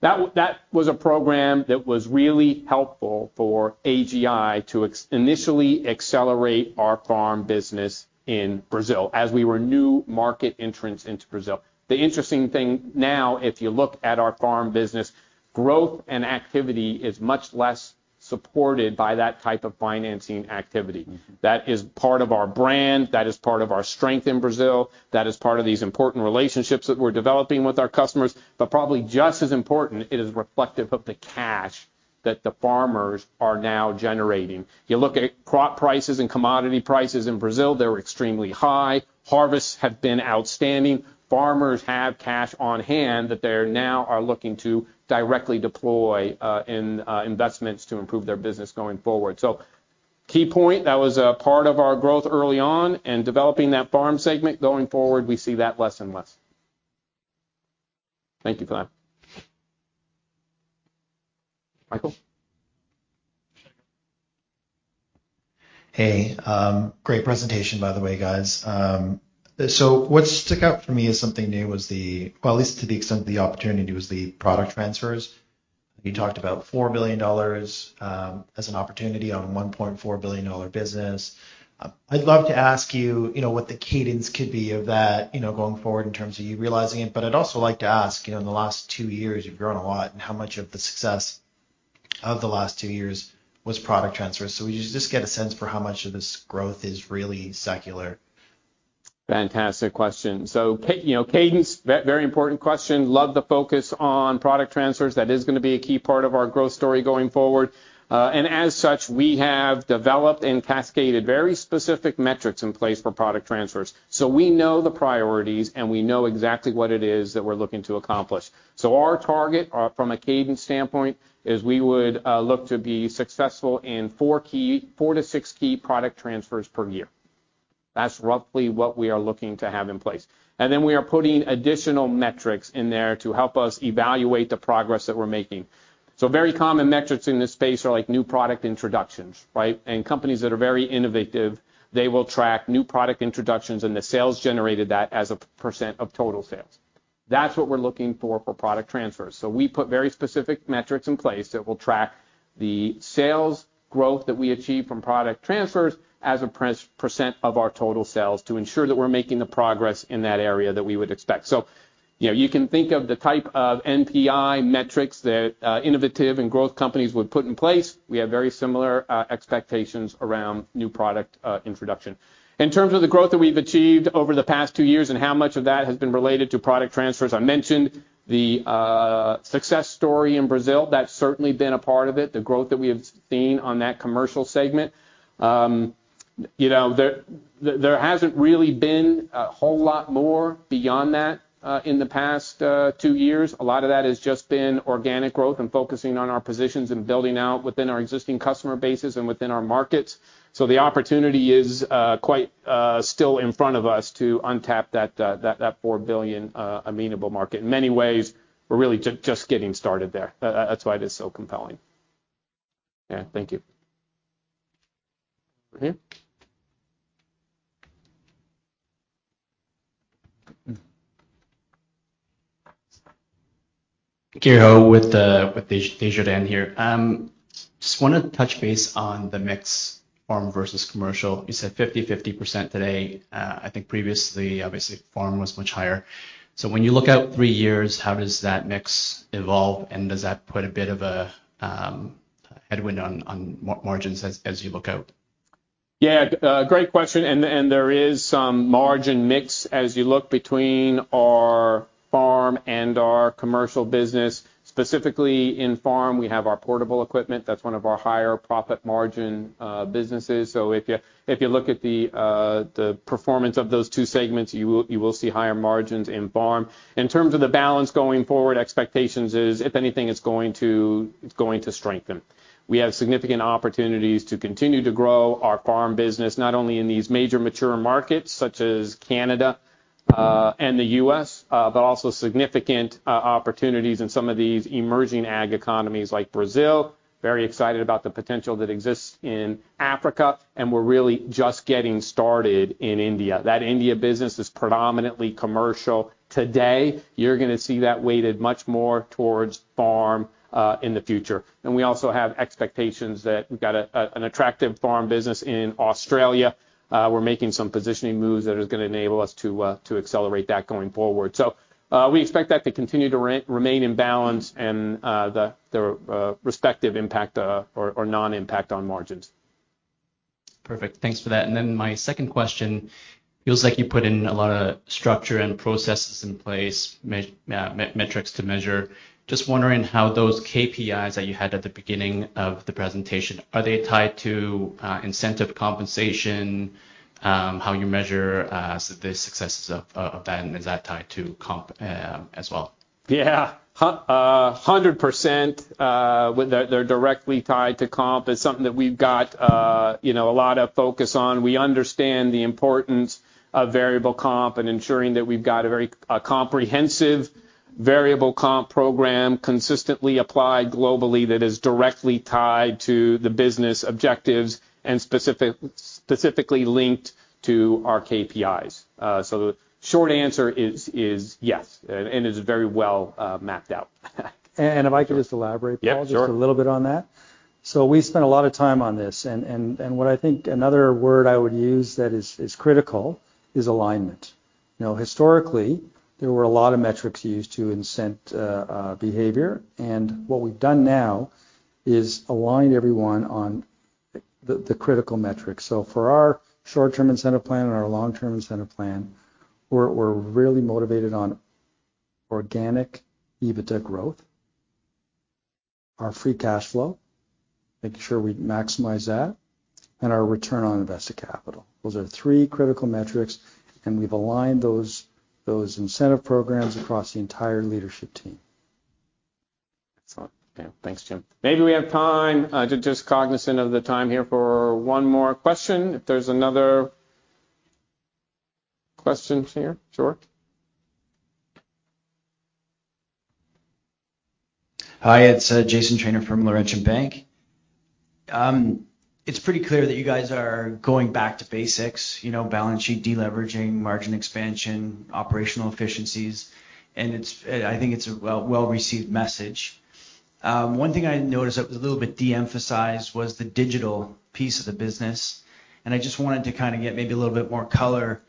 That was a program that was really helpful for AGI to initially accelerate our farm business in Brazil as we were new market entrants into Brazil. The interesting thing now, if you look at our farm business, growth and activity is much less supported by that type of financing activity. That is part of our brand. That is part of our strength in Brazil. That is part of these important relationships that we're developing with our customers. Probably just as important, it is reflective of the cash that the farmers are now generating. You look at crop prices and commodity prices in Brazil, they're extremely high. Harvests have been outstanding. Farmers have cash on hand that they now are looking to directly deploy in investments to improve their business going forward. Key point, that was a part of our growth early on and developing that farm segment going forward, we see that less and less. Thank you for that. Michael? Hey. Great presentation, by the way, guys. What stuck out for me as something new was the product transfers. You talked about $4 billion as an opportunity on a $1.4 billion business. I'd love to ask you know, what the cadence could be of that, you know, going forward in terms of you realizing it. I'd also like to ask, you know, in the last two years, you've grown a lot and how much of the success of the last two years was product transfers? We just get a sense for how much of this growth is really secular. Fantastic question. you know, cadence, very important question. Love the focus on product transfers. That is gonna be a key part of our growth story going forward. As such, we have developed and cascaded very specific metrics in place for product transfers. We know the priorities, and we know exactly what it is that we're looking to accomplish. Our target, from a cadence standpoint, is we would look to be successful in four to six key product transfers per year. That's roughly what we are looking to have in place. We are putting additional metrics in there to help us evaluate the progress that we're making. Very common metrics in this space are like new product introductions, right? Companies that are very innovative, they will track new product introductions and the sales generated that as a percent of total sales. That's what we're looking for for product transfers. We put very specific metrics in place that will track the sales growth that we achieve from product transfers as a percent of our total sales to ensure that we're making the progress in that area that we would expect. You know, you can think of the type of NPI metrics that innovative and growth companies would put in place. We have very similar expectations around new product introduction. In terms of the growth that we've achieved over the past two years and how much of that has been related to product transfers, I mentioned the success story in Brazil. That's certainly been a part of it, the growth that we have seen on that commercial segment. You know, there hasn't really been a whole lot more beyond that in the past two years. A lot of that has just been organic growth and focusing on our positions and building out within our existing customer bases and within our markets. The opportunity is quite still in front of us to untap that 4 billion amenable market. In many ways, we're really just getting started there. That's why it is so compelling. Yeah. Thank you. Over here. Gary Ho with Desjardins here. Just wanna touch base on the mix farm versus commercial. You said 50% today. I think previously, obviously, farm was much higher. When you look out three years, how does that mix evolve? Does that put a bit of a headwind on margins as you look out? A great question. There is some margin mix as you look between our farm and our commercial business. Specifically in farm, we have our portable equipment. That's one of our higher profit margin businesses. If you look at the performance of those two segments, you will see higher margins in farm. In terms of the balance going forward, expectations is, if anything, it's going to strengthen. We have significant opportunities to continue to grow our farm business, not only in these major mature markets such as Canada and the U.S., but also significant opportunities in some of these emerging ag economies like Brazil. Very excited about the potential that exists in Africa, and we're really just getting started in India. That India business is predominantly commercial today. You're gonna see that weighted much more towards farm in the future. We also have expectations that we've got an attractive farm business in Australia. We're making some positioning moves that is gonna enable us to accelerate that going forward. We expect that to continue to remain in balance and the respective impact or non-impact on margins. Perfect. Thanks for that. Then my second question, feels like you put in a lot of structure and processes in place, metrics to measure. Just wondering how those KPIs that you had at the beginning of the presentation, are they tied to incentive compensation, how you measure the successes of that? Is that tied to comp as well? Yeah. 100% with that, they're directly tied to comp. It's something that we've got, you know, a lot of focus on. We understand the importance of variable comp and ensuring that we've got a very, a comprehensive variable comp program consistently applied globally that is directly tied to the business objectives and specifically linked to our KPIs. The short answer is yes. It's very well mapped out. If I could just elaborate, Paul- Yeah, sure. just a little bit on that. We spent a lot of time on this, and what I think another word I would use that is critical is alignment. You know, historically, there were a lot of metrics used to incent behavior, and what we've done now is align everyone on the critical metrics. For our short-term incentive plan and our long-term incentive plan, we're really motivated on organic EBITDA growth, our free cash flow, making sure we maximize that, and our Return on Invested Capital. Those are the three critical metrics, and we've aligned those incentive programs across the entire leadership team. Excellent. Yeah, thanks, Jim. Maybe we have time, just cognizant of the time here, for one more question, if there's another question here. Sure. Hi, it's Jason Trainor from Laurentian Bank. It's pretty clear that you guys are going back to basics, you know, balance sheet de-leveraging, margin expansion, operational efficiencies, and it's I think it's a well, well-received message. One thing I noticed that was a little bit de-emphasized was the digital piece of the business, and I just wanted to kinda get maybe a little bit more color,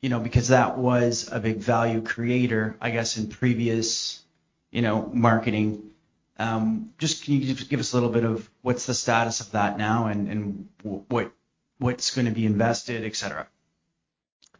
you know, because that was a big value creator, I guess, in previous, you know, marketing. Just can you just give us a little bit of what's the status of that now and what's gonna be invested, et cetera?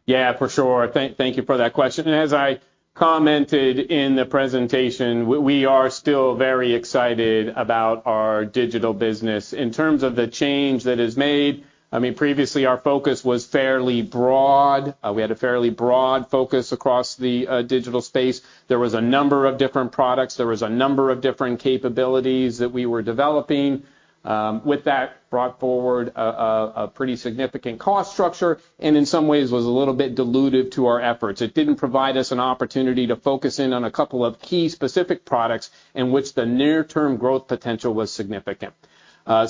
Yeah, for sure. Thank you for that question. As I commented in the presentation, we are still very excited about our digital business. In terms of the change that is made, I mean, previously, our focus was fairly broad. We had a fairly broad focus across the digital space. There was a number of different products. There was a number of different capabilities that we were developing, with that brought forward a pretty significant cost structure, and in some ways was a little bit dilutive to our efforts. It didn't provide us an opportunity to focus in on a couple of key specific products in which the near-term growth potential was significant.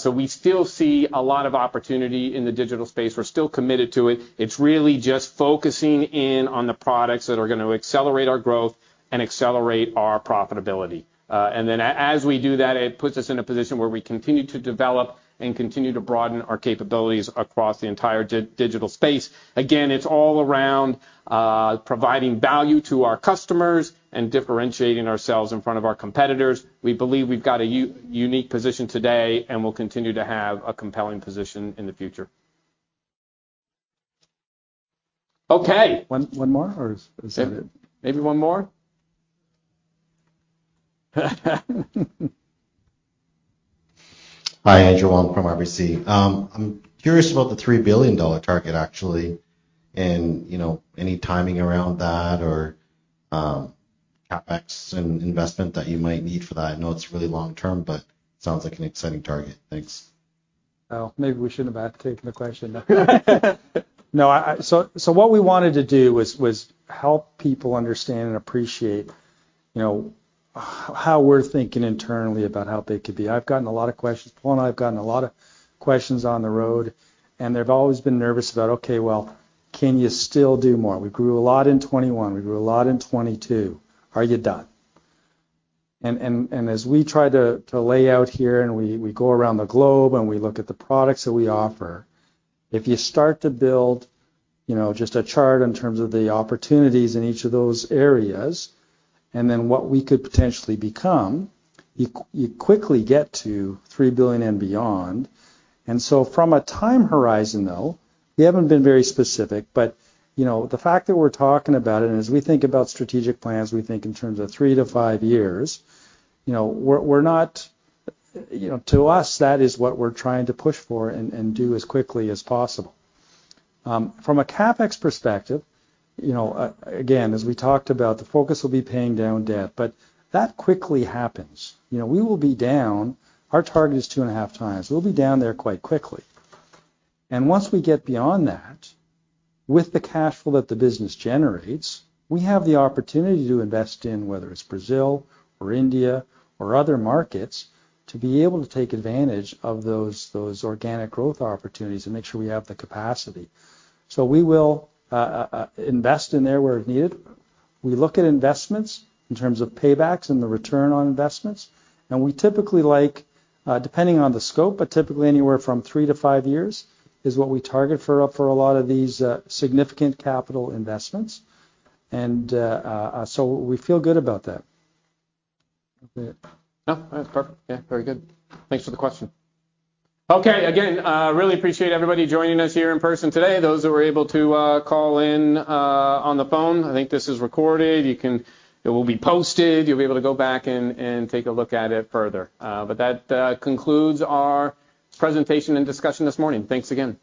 We still see a lot of opportunity in the digital space. We're still committed to it. It's really just focusing in on the products that are gonna accelerate our growth and accelerate our profitability. As we do that, it puts us in a position where we continue to develop and continue to broaden our capabilities across the entire digital space. Again, it's all around providing value to our customers and differentiating ourselves in front of our competitors. We believe we've got a unique position today, and we'll continue to have a compelling position in the future. Okay. One more, or is that it? Maybe one more. Hi, Andrew Wong from RBC. I'm curious about the 3 billion dollar target, actually, and, you know, any timing around that or, CapEx and investment that you might need for that? I know it's really long term, but it sounds like an exciting target. Thanks. Maybe we shouldn't have taken the question. What we wanted to do was help people understand and appreciate, you know, how we're thinking internally about how big could be. I've gotten a lot of questions. Paul and I have gotten a lot of questions on the road, and they've always been nervous about, "Okay, well, can you still do more?" We grew a lot in 2021. We grew a lot in 2022. Are you done? As we try to lay out here, and we go around the globe, and we look at the products that we offer, if you start to build, you know, just a chart in terms of the opportunities in each of those areas, and then what we could potentially become, you quickly get to 3 billion and beyond. From a time horizon, though, we haven't been very specific. You know, the fact that we're talking about it, and as we think about strategic plans, we think in terms of three to five years. You know, to us, that is what we're trying to push for and do as quickly as possible. From a CapEx perspective, you know, again, as we talked about, the focus will be paying down debt. That quickly happens. You know, we will be down. Our target is 2.5x. We'll be down there quite quickly. Once we get beyond that, with the cash flow that the business generates, we have the opportunity to invest in, whether it's Brazil or India or other markets, to be able to take advantage of those organic growth opportunities and make sure we have the capacity. We will invest in there where needed. We look at investments in terms of paybacks and the return on investments, and we typically like, depending on the scope, but typically anywhere from three to five years is what we target for a lot of these significant capital investments. So we feel good about that. Okay. No, that's perfect. Yeah, very good. Thanks for the question. Okay, again, really appreciate everybody joining us here in person today. Those that were able to, call in, on the phone, I think this is recorded. It will be posted. You'll be able to go back and take a look at it further. That concludes our presentation and discussion this morning. Thanks again.